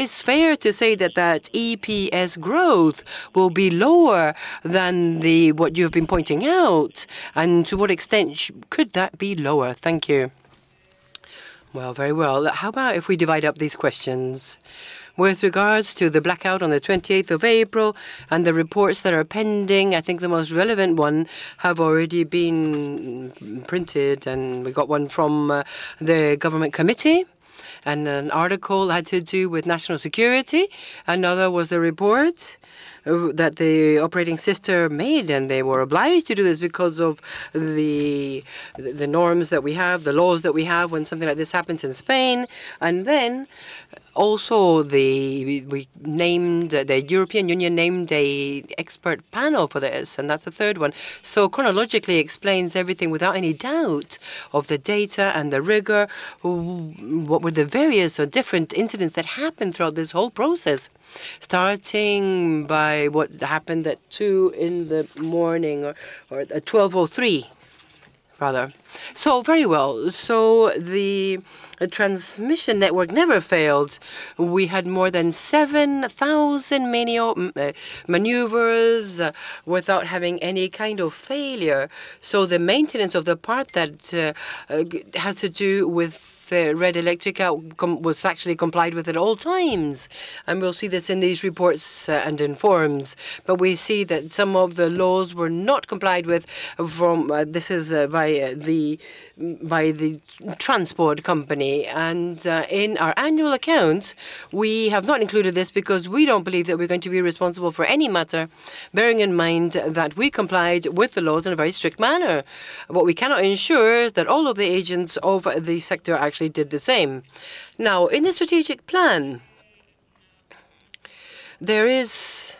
It's fair to say that that EPS growth will be lower than the... what you've been pointing out, and to what extent could that be lower? Thank you. Well, very well. How about if we divide up these questions? With regards to the blackout on the 28th of April and the reports that are pending, I think the most relevant one have already been printed, and we got one from the government committee and an article had to do with national security. Another was the report that the operating system made, and they were obliged to do this because of the norms that we have, the laws that we have when something like this happens in Spain. Also, the European Union named a expert panel for this, and that's the third one. Chronologically explains everything without any doubt of the data and the rigor, what were the various or different incidents that happened throughout this whole process, starting by what happened at 2:00 A.M. or at 12:03 A.M., rather. Very well. The transmission network never failed. We had more than 7,000 manual maneuvers without having any kind of failure. The maintenance of the part that has to do with the Red Eléctrica was actually complied with at all times, and we'll see this in these reports and in forums. We see that some of the laws were not complied with from, this is by the transport company. In our annual accounts, we have not included this because we don't believe that we're going to be responsible for any matter, bearing in mind that we complied with the laws in a very strict manner. What we cannot ensure is that all of the agents of the sector actually did the same. In the strategic plan, there is...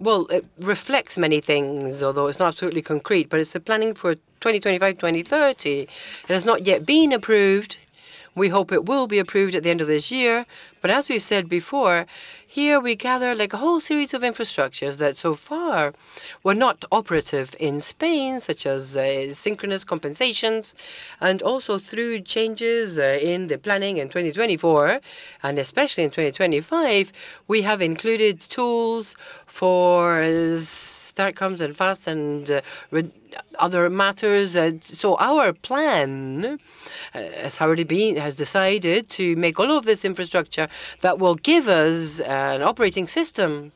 Well, it reflects many things, although it's not absolutely concrete, but it's the planning for 2025, 2030. It has not yet been approved. We hope it will be approved at the end of this year. As we've said before, here we gather, like, a whole series of infrastructures that so far were not operative in Spain, such as synchronous compensations, and also through changes in the planning in 2024, and especially in 2025, we have included tools for STATCOMs and FACTS and other matters. Our plan has decided to make all of this infrastructure that will give us an operating system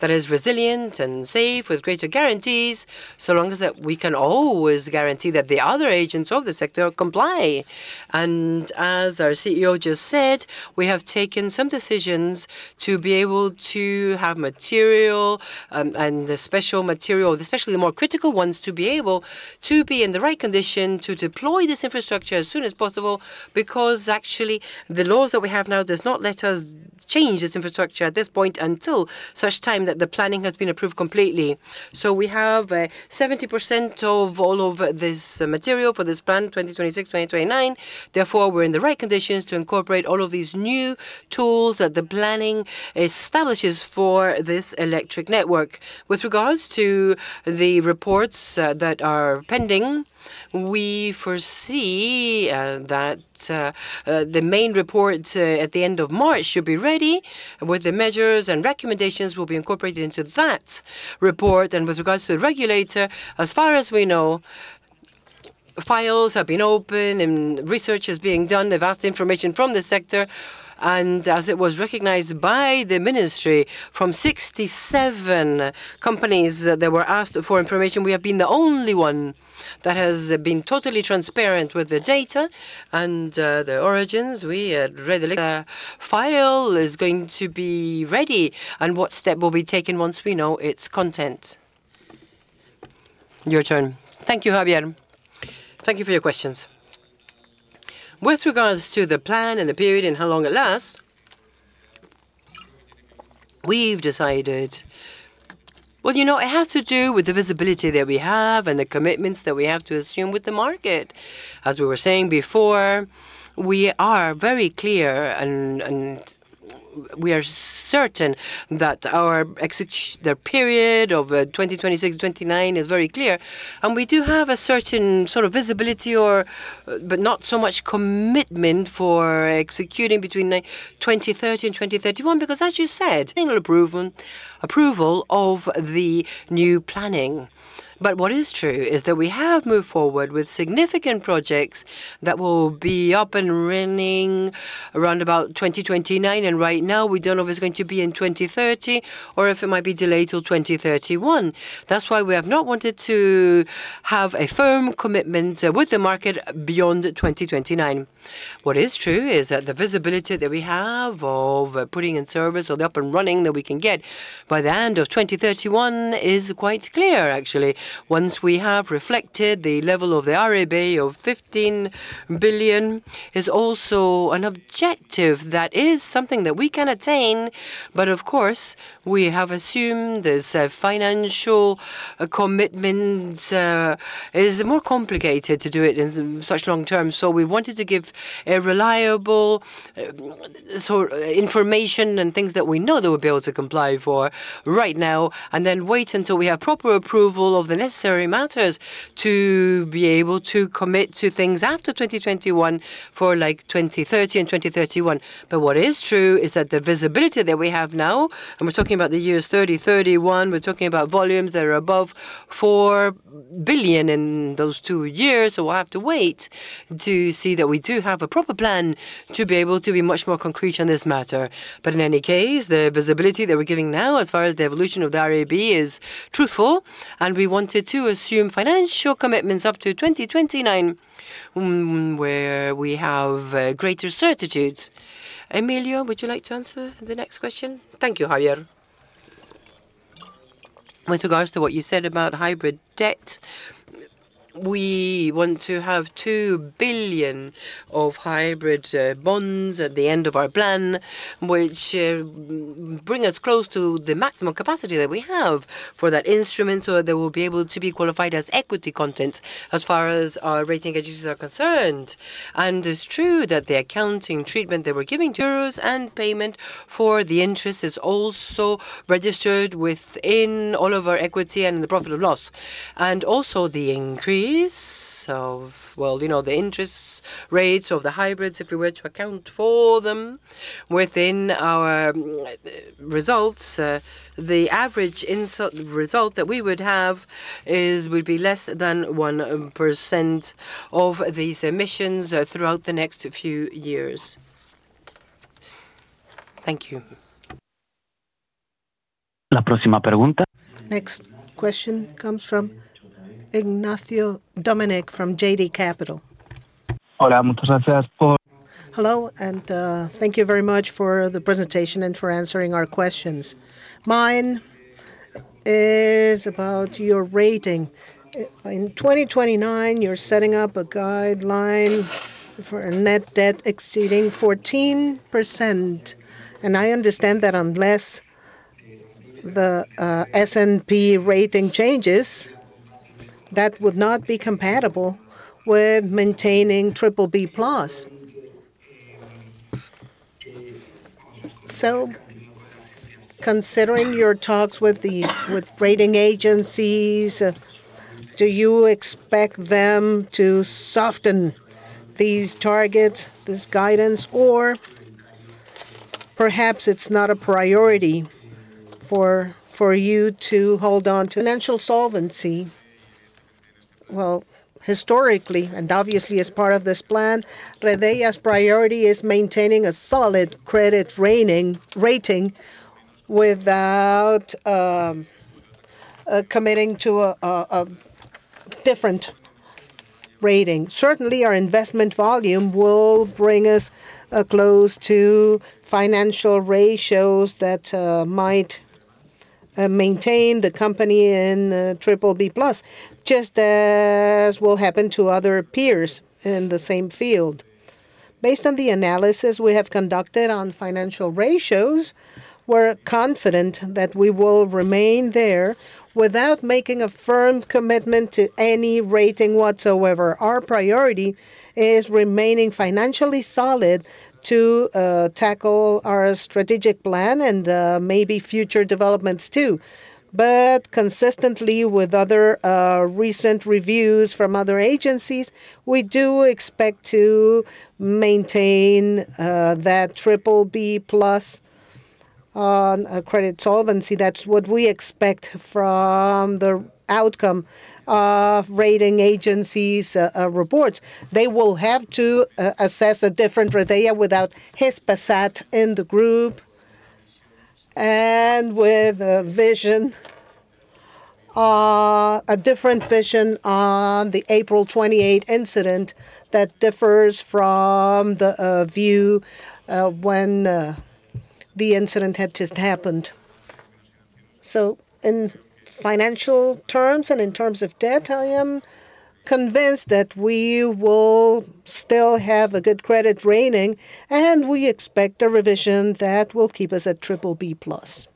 that is resilient and safe with greater guarantees, so long as that we can always guarantee that the other agents of the sector comply. As our CEO just said, we have taken some decisions to be able to have material and special material, especially the more critical ones, to be able to be in the right condition to deploy this infrastructure as soon as possible. Actually, the laws that we have now does not let us change this infrastructure at this point until such time that the planning has been approved completely. We have 70% of all of this material for this plan, 2026, 2029. We're in the right conditions to incorporate all of these new tools that the planning establishes for this electric network. Regards to the reports that are pending, we foresee that the main reports at the end of March should be ready, with the measures and recommendations will be incorporated into that report. With regards to the regulator, as far as we know, files have been open and research is being done. They've asked information from the sector, and as it was recognized by the ministry, from 67 companies that they were asked for information, we have been the only one that has been totally transparent with the data and the origins. File is going to be ready, and what step will be taken once we know its content? Your turn. Thank you, Javier. Thank you for your questions. With regards to the plan and the period and how long it lasts, we've decided. Well, you know, it has to do with the visibility that we have and the commitments that we have to assume with the market. As we were saying before, we are very clear and we are certain that our the period of 2026 to 2029 is very clear, and we do have a certain sort of visibility or, not so much commitment for executing between nine, 2030 and 2031, because as you said, approval of the new planning. What is true is that we have moved forward with significant projects that will be up and running around about 2029, and right now we don't know if it's going to be in 2030 or if it might be delayed till 2031. That's why we have not wanted to have a firm commitment with the market beyond 2029. What is true is that the visibility that we have of putting in service or the up and running that we can get by the end of 2031 is quite clear, actually. Once we have reflected the level of the RAB of 15 billion is also an objective that is something that we can attain. Of course, we have assumed there's financial commitments. It is more complicated to do it in such long term. We wanted to give a reliable sort information and things that we know that we'll be able to comply for right now and then wait until we have proper approval of the necessary matters to be able to commit to things after 2021 for, like, 2030 and 2031. What is true is that the visibility that we have now, and we're talking about the years 30, 31, we're talking about volumes that are above 4 billion in those two years, so we'll have to wait to see that we do have a proper plan to be able to be much more concrete on this matter. In any case, the visibility that we're giving now, as far as the evolution of the RAB, is truthful, and we wanted to assume financial commitments up to 2029, where we have greater certitudes. Emilio, would you like to answer the next question? Thank you, Javier. With regards to what you said about hybrid debt, we want to have 2 billion of hybrid bonds at the end of our plan, which bring us close to the maximum capacity that we have for that instrument, so they will be able to be qualified as equity content as far as our rating agencies are concerned. It's true that the accounting treatment that we're giving to euros and payment for the interest is also registered within all of our equity and the profit of loss. Also the increase of, well, you know, the interest rates of the hybrids, if we were to account for them within our results, the average insert result that we would have is, would be less than 1% of these emissions throughout the next few years. Thank you. Next question comes from Ignacio Domenech from JB Capital. Hello, thank you very much for the presentation and for answering our questions. Mine is about your rating. In 2029, you're setting up a guideline for a net debt exceeding 14%, and I understand that unless the S&P rating changes, that would not be compatible with maintaining BBB+. Considering your talks with rating agencies, do you expect them to soften these targets, this guidance, or perhaps it's not a priority for you to hold on to? Financial solvency, well, historically, and obviously as part of this plan, Red Eléctrica's priority is maintaining a solid credit rating without committing to a different rating. Certainly, our investment volume will bring us close to financial ratios that might maintain the company in BBB+, just as will happen to other peers in the same field. Based on the analysis we have conducted on financial ratios, we're confident that we will remain there without making a firm commitment to any rating whatsoever. Our priority is remaining financially solid to tackle our strategic plan and maybe future developments too. Consistently with other recent reviews from other agencies, we do expect to maintain that BBB+. on credit solvency, that's what we expect from the outcome of rating agencies reports. They will have to assess a different Redeia without Hispasat in the group, and with a vision, a different vision on the April 28 incident that differs from the view when the incident had just happened. In financial terms and in terms of debt, I am convinced that we will still have a good credit rating, and we expect a revision that will keep us at BBB+.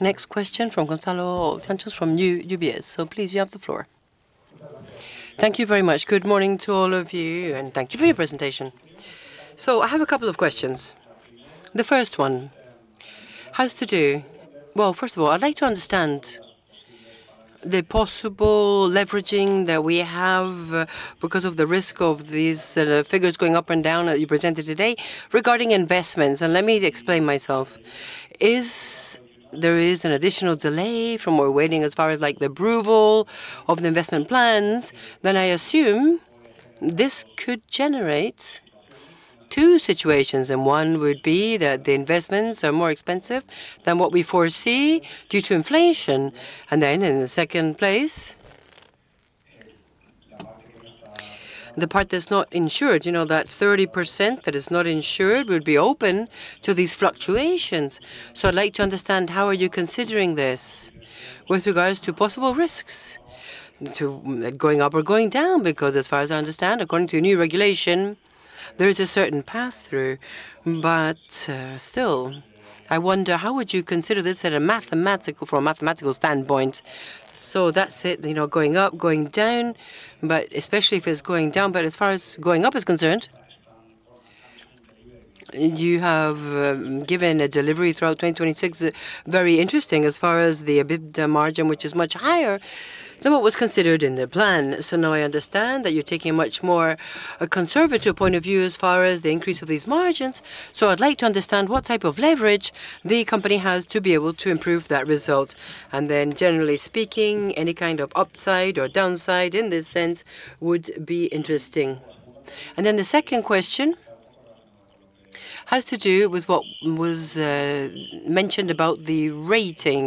Next question from Gonzalo Sanchez from UBS. Please, you have the floor. Thank much. Good morning to all of you, and thank you for your presentation. I have a couple of questions. The first one has to do... First of all, I'd like to understand the possible leveraging that we have because of the risk of these figures going up and down, as you presented today, regarding investments, and let me explain myself. Is there is an additional delay from we're waiting as far as, like, the approval of the investment plans, then I assume this could generate two situations, one would be that the investments are more expensive than what we foresee due to inflation. In the second place, the part that's not insured, you know, that 30% that is not insured would be open to these fluctuations. I'd like to understand, how are you considering this with regards to possible risks, to going up or going down? As far as I understand, according to a new regulation, there is a certain pass-through. Still, I wonder, how would you consider this from a mathematical standpoint? That's it, you know, going up, going down, but especially if it's going down. As far as going up is concerned, you have given a delivery throughout 2026. Very interesting, as far as the EBITDA margin, which is much higher than what was considered in the plan. Now I understand that you're taking a much more conservative point of view as far as the increase of these margins. I'd like to understand what type of leverage the company has to be able to improve that result. Generally speaking, any kind of upside or downside in this sense would be interesting. The second question has to do with what was mentioned about the rating.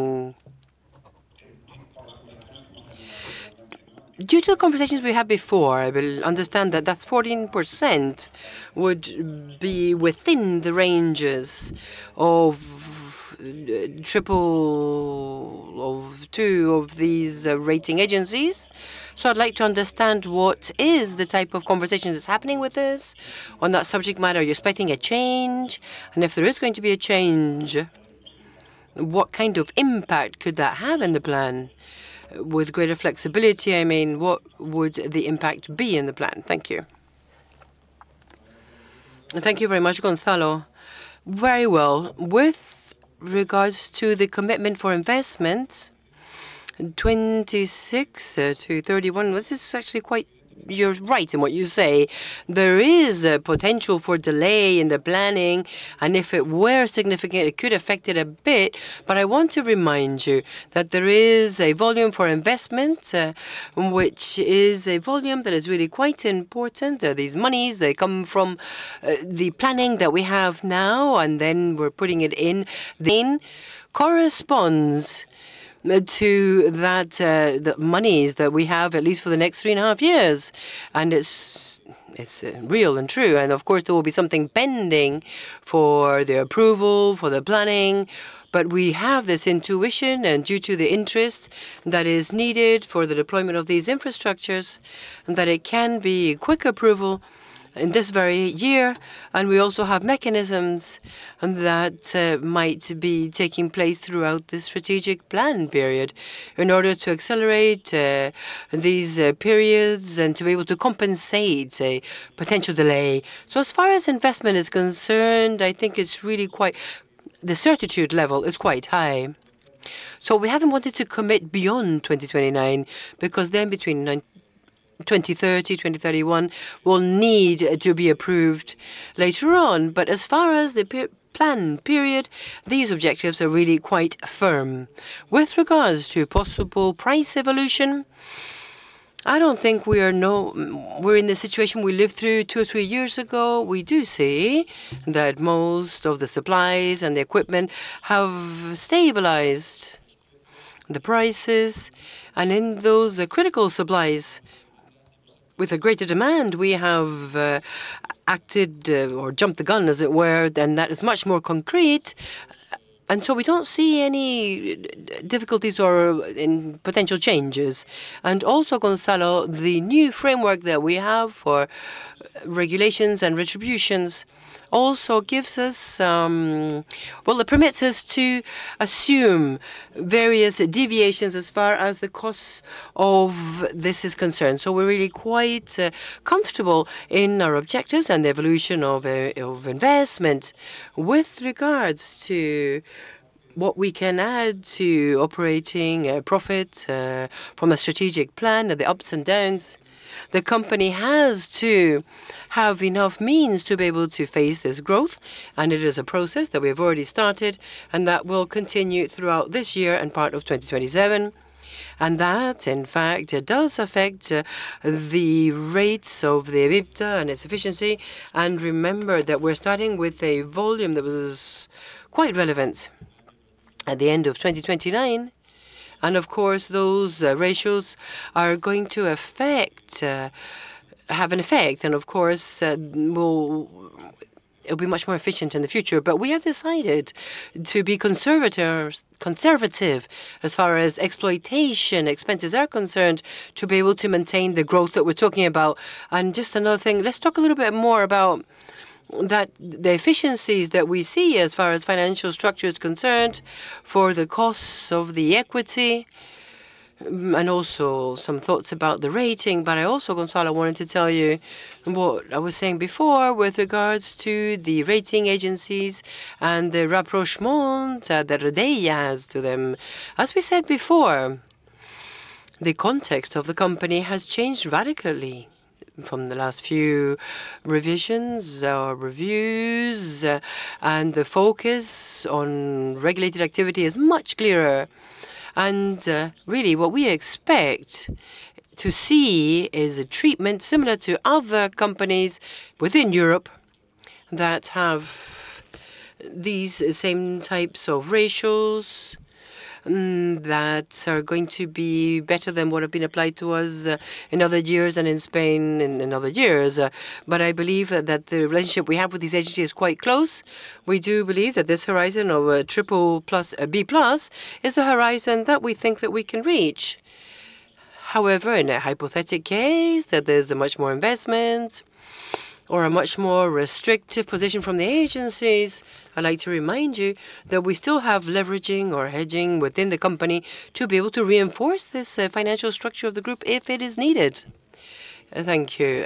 Due to the conversations we had before, I will understand that that 14% would be within the ranges of triple of two of these rating agencies. I'd like to understand, what is the type of conversation that's happening with this? On that subject matter, are you expecting a change? If there is going to be a change, what kind of impact could that have in the plan? With greater flexibility, I mean, what would the impact be in the plan? Thank you. Thank you very much, Gonzalo. Very well. With regards to the commitment for investment, 26 to 31, well, this is actually quite... You're right in what you say. There is a potential for delay in the planning, and if it were significant, it could affect it a bit. I want to remind you that there is a volume for investment, which is a volume that is really quite important. These monies, they come from the planning that we have now, and then we're putting it in. Corresponds to that, the monies that we have, at least for the next three and a half years, and it's real and true. Of course, there will be something pending for the approval, for the planning, but we have this intuition, and due to the interest that is needed for the deployment of these infrastructures, that it can be a quick approval in this very year. We also have mechanisms that might be taking place throughout the strategic plan period in order to accelerate these periods and to be able to compensate a potential delay. As far as investment is concerned, I think it's really quite. The certitude level is quite high. We haven't wanted to commit beyond 2029, because then between 2030, 2031, will need to be approved later on. As far as the per- plan period, these objectives are really quite firm. With regards to possible price evolution, I don't think we're in the situation we lived through two or three years ago. We do see that most of the supplies and the equipment have stabilized the prices, and in those critical supplies, with a greater demand, we have acted or jumped the gun, as it were, then that is much more concrete. We don't see any difficulties or any potential changes. Gonzalo, the new framework that we have for regulations and retributions also gives us Well, it permits us to assume various deviations as far as the cost of this is concerned. We're really quite comfortable in our objectives and the evolution of investment. What we can add to operating profit from a strategic plan and the ups and downs, the company has to have enough means to be able to face this growth, and it is a process that we have already started, and that will continue throughout this year and part of 2027. That, in fact, it does affect the rates of the EBITDA and its efficiency. Remember that we're starting with a volume that was quite relevant at the end of 2029, and of course, those ratios are going to affect, have an effect, and of course, it'll be much more efficient in the future. We have decided to be conservative as far as exploitation expenses are concerned, to be able to maintain the growth that we're talking about. Just another thing, let's talk a little bit more about that, the efficiencies that we see as far as financial structure is concerned for the costs of the equity, and also some thoughts about the rating. I also, Gonzalo, wanted to tell you what I was saying before with regards to the rating agencies and the rapprochement that they as to them. As we said before, the context of the company has changed radically from the last few revisions or reviews, and the focus on regulated activity is much clearer. really, what we expect to see is a treatment similar to other companies within Europe that have these same types of ratios, that are going to be better than what have been applied to us, in other years and in Spain in other years. I believe that the relationship we have with these agencies is quite close. We do believe that this horizon of a triple plus, B+, is the horizon that we think that we can reach. However, in a hypothetical case, that there's a much more investment or a much more restrictive position from the agencies, I'd like to remind you that we still have leveraging or hedging within the company to be able to reinforce this financial structure of the group if it is needed. Thank you.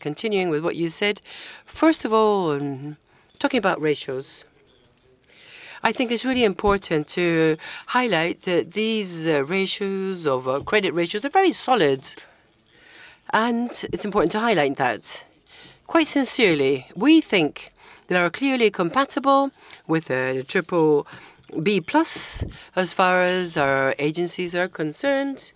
Continuing with what you said, first of all, talking about ratios, I think it's really important to highlight that these ratios of credit ratios are very solid, and it's important to highlight that. Quite sincerely, we think they are clearly compatible with a BBB+, as far as our agencies are concerned,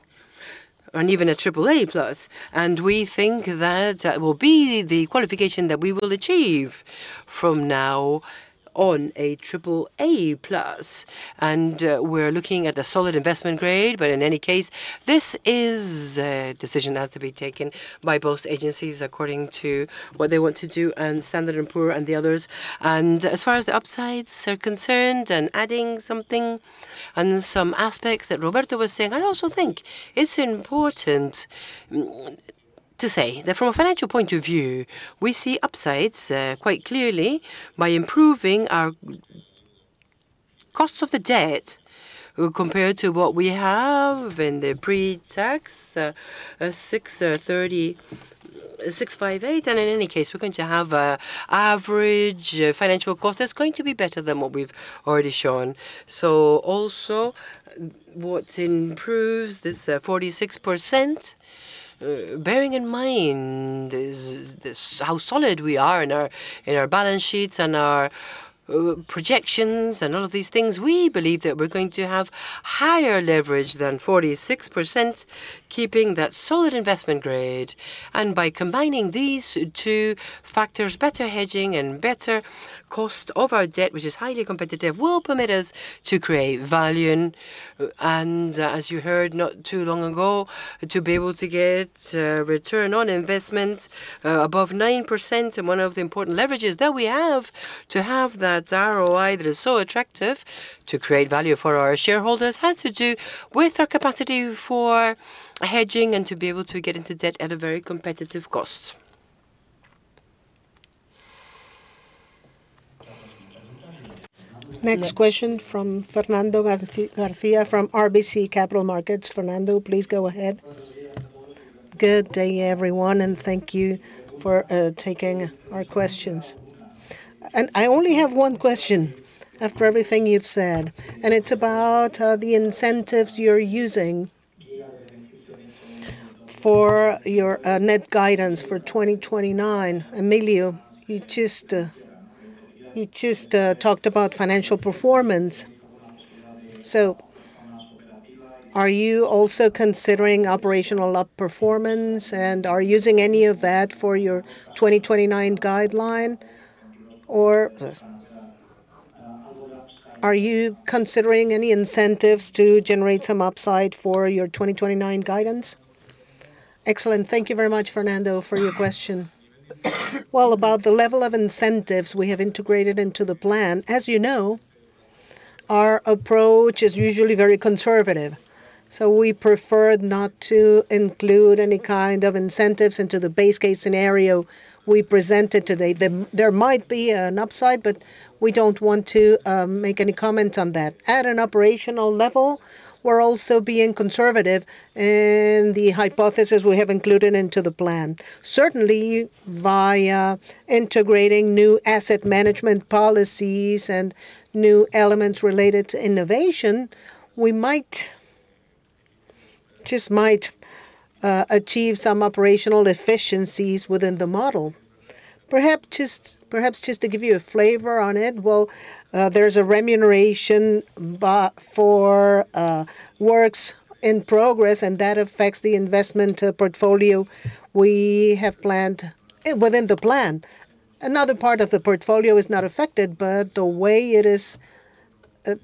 and even a AAA, and we think that that will be the qualification that we will achieve from now on, a AAA. We're looking at a solid investment grade, but in any case, this is a decision that has to be taken by both agencies according to what they want to do and Standard & Poor's and the others. As far as the upsides are concerned, adding something and some aspects that Roberto was saying, I also think it's important to say that from a financial point of view, we see upsides quite clearly by improving our costs of the debt compared to what we have in the pre-tax 6.30%, 6.58%, and in any case, we're going to have a average financial cost that's going to be better than what we've already shown. Also, what's improves this, 46%, bearing in mind is this, how solid we are in our balance sheets and our projections and all of these things, we believe that we're going to have higher leverage than 46%, keeping that solid investment grade. By combining these two factors, better hedging and better cost of our debt, which is highly competitive, will permit us to create value. As you heard not too long ago, to be able to get return on investment, above 9%, and one of the important leverages that we have to have that ROI that is so attractive to create value for our shareholders, has to do with our capacity for hedging and to be able to get into debt at a very competitive cost. Next question from Fernando Garcia from RBC Capital Markets. Fernando, please go ahead. Good day, everyone, thank you for taking our questions. I only have one question after everything you've said, and it's about the incentives you're using for your net guidance for 2029. Emilio, you just talked about financial performance, so are you also considering operational up performance, and are you using any of that for your 2029 guideline? Are you considering any incentives to generate some upside for your 2029 guidance? Excellent. Thank you very much, Fernando, for your question. Well, about the level of incentives we have integrated into the plan, as you know, our approach is usually very conservative, so we prefer not to include any kind of incentives into the base case scenario we presented today. There might be an upside, but we don't want to make any comment on that. At an operational level, we're also being conservative in the hypothesis we have included into the plan. Certainly, via integrating new asset management policies and new elements related to innovation, we might Just might achieve some operational efficiencies within the model. Perhaps just to give you a flavor on it, well, there's a remuneration back for work in progress, and that affects the investment portfolio we have planned within the plan. Another part of the portfolio is not affected, but the way it is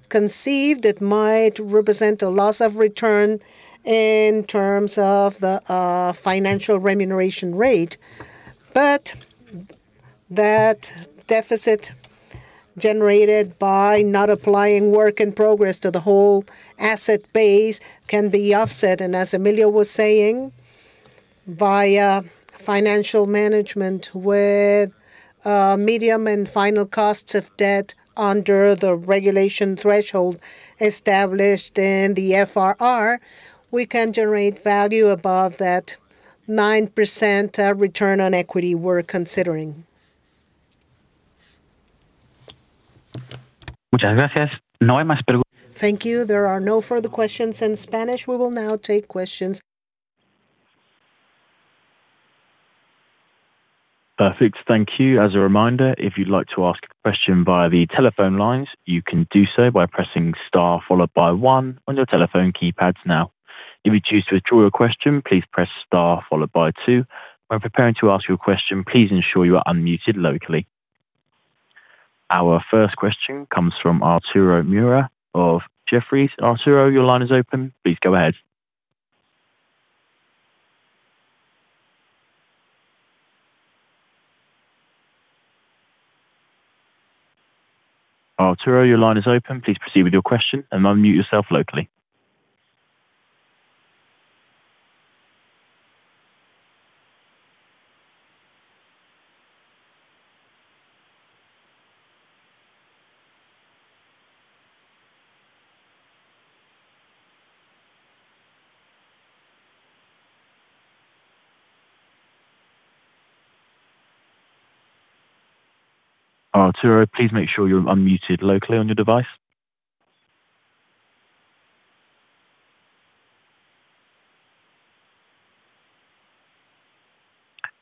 conceived, it might represent a loss of return in terms of the financial remuneration rate. That deficit generated by not applying work in progress to the whole asset base can be offset, and as Emilio was saying, via financial management, with medium and final costs of debt under the regulation threshold established in the FRR, we can generate value above that 9% return on equity we're considering. Thank you. There are no further questions in Spanish. We will now take questions. Perfect. Thank you. As a reminder, if you'd like to ask a question via the telephone lines, you can do so by pressing star followed by one on your telephone keypads now. If you choose to withdraw your question, please press star followed by two. When preparing to ask your question, please ensure you are unmuted locally. Our first question comes from Arturo Murua of Jefferies. Arturo, your line is open. Please go ahead. Arturo, your line is open. Please proceed with your question and unmute yourself locally. Arturo, please make sure you're unmuted locally on your device.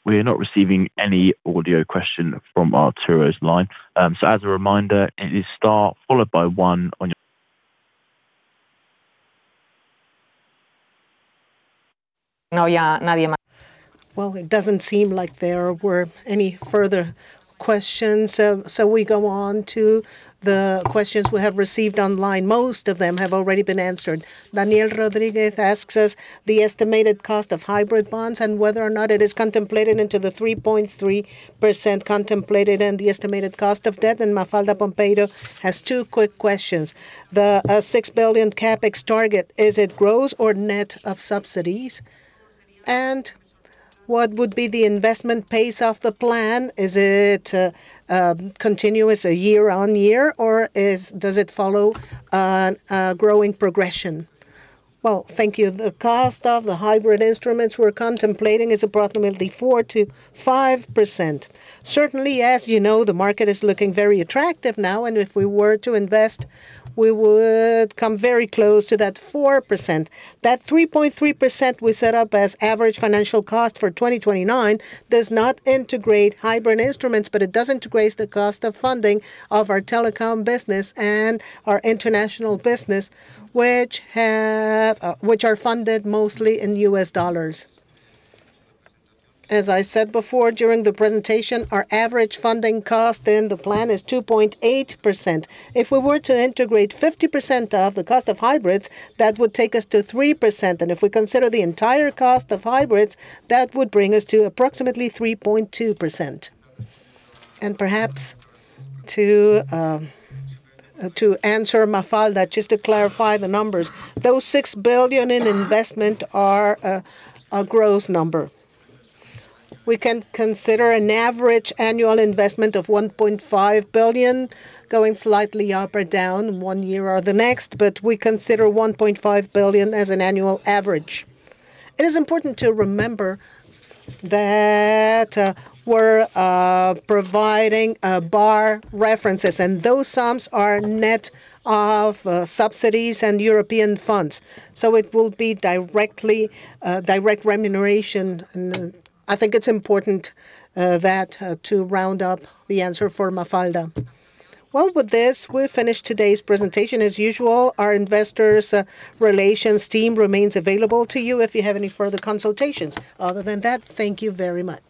We are not receiving any audio question from Arturo's line. As a reminder, it is star followed by one. Well, it doesn't seem like there were any further questions, we go on to the questions we have received online. Most of them have already been answered. Daniel Rodríguez asks us the estimated cost of hybrid bonds and whether or not it is contemplated into the 3.3% contemplated and the estimated cost of debt. Mafalda Pombeiro has two quick questions: The 6 billion CapEx target, is it gross or net of subsidies? What would be the investment pace of the plan? Is it a continuous, year-on-year, or does it follow a growing progression? Well, thank you. The cost of the hybrid instruments we're contemplating is approximately 4%-5%. Certainly, as you know, the market is looking very attractive now, and if we were to invest, we would come very close to that 4%. That 3.3% we set up as average financial cost for 2029 does not integrate hybrid instruments. It does integrate the cost of funding of our telecom business and our international business, which are funded mostly in US dollars. As I said before, during the presentation, our average funding cost in the plan is 2.8%. If we were to integrate 50% of the cost of hybrids, that would take us to 3%. If we consider the entire cost of hybrids, that would bring us to approximately 3.2%. Perhaps to answer Mafalda, just to clarify the numbers, those 6 billion in investment are a gross number. We can consider an average annual investment of 1.5 billion, going slightly up or down one year or the next, but we consider 1.5 billion as an annual average. It is important to remember that we're providing bar references, and those sums are net of subsidies and European funds, so it will be directly direct remuneration. I think it's important that to round up the answer for Mafalda. With this, we've finished today's presentation. As usual, our investors relations team remains available to you if you have any further consultations. Other than that, thank you very much.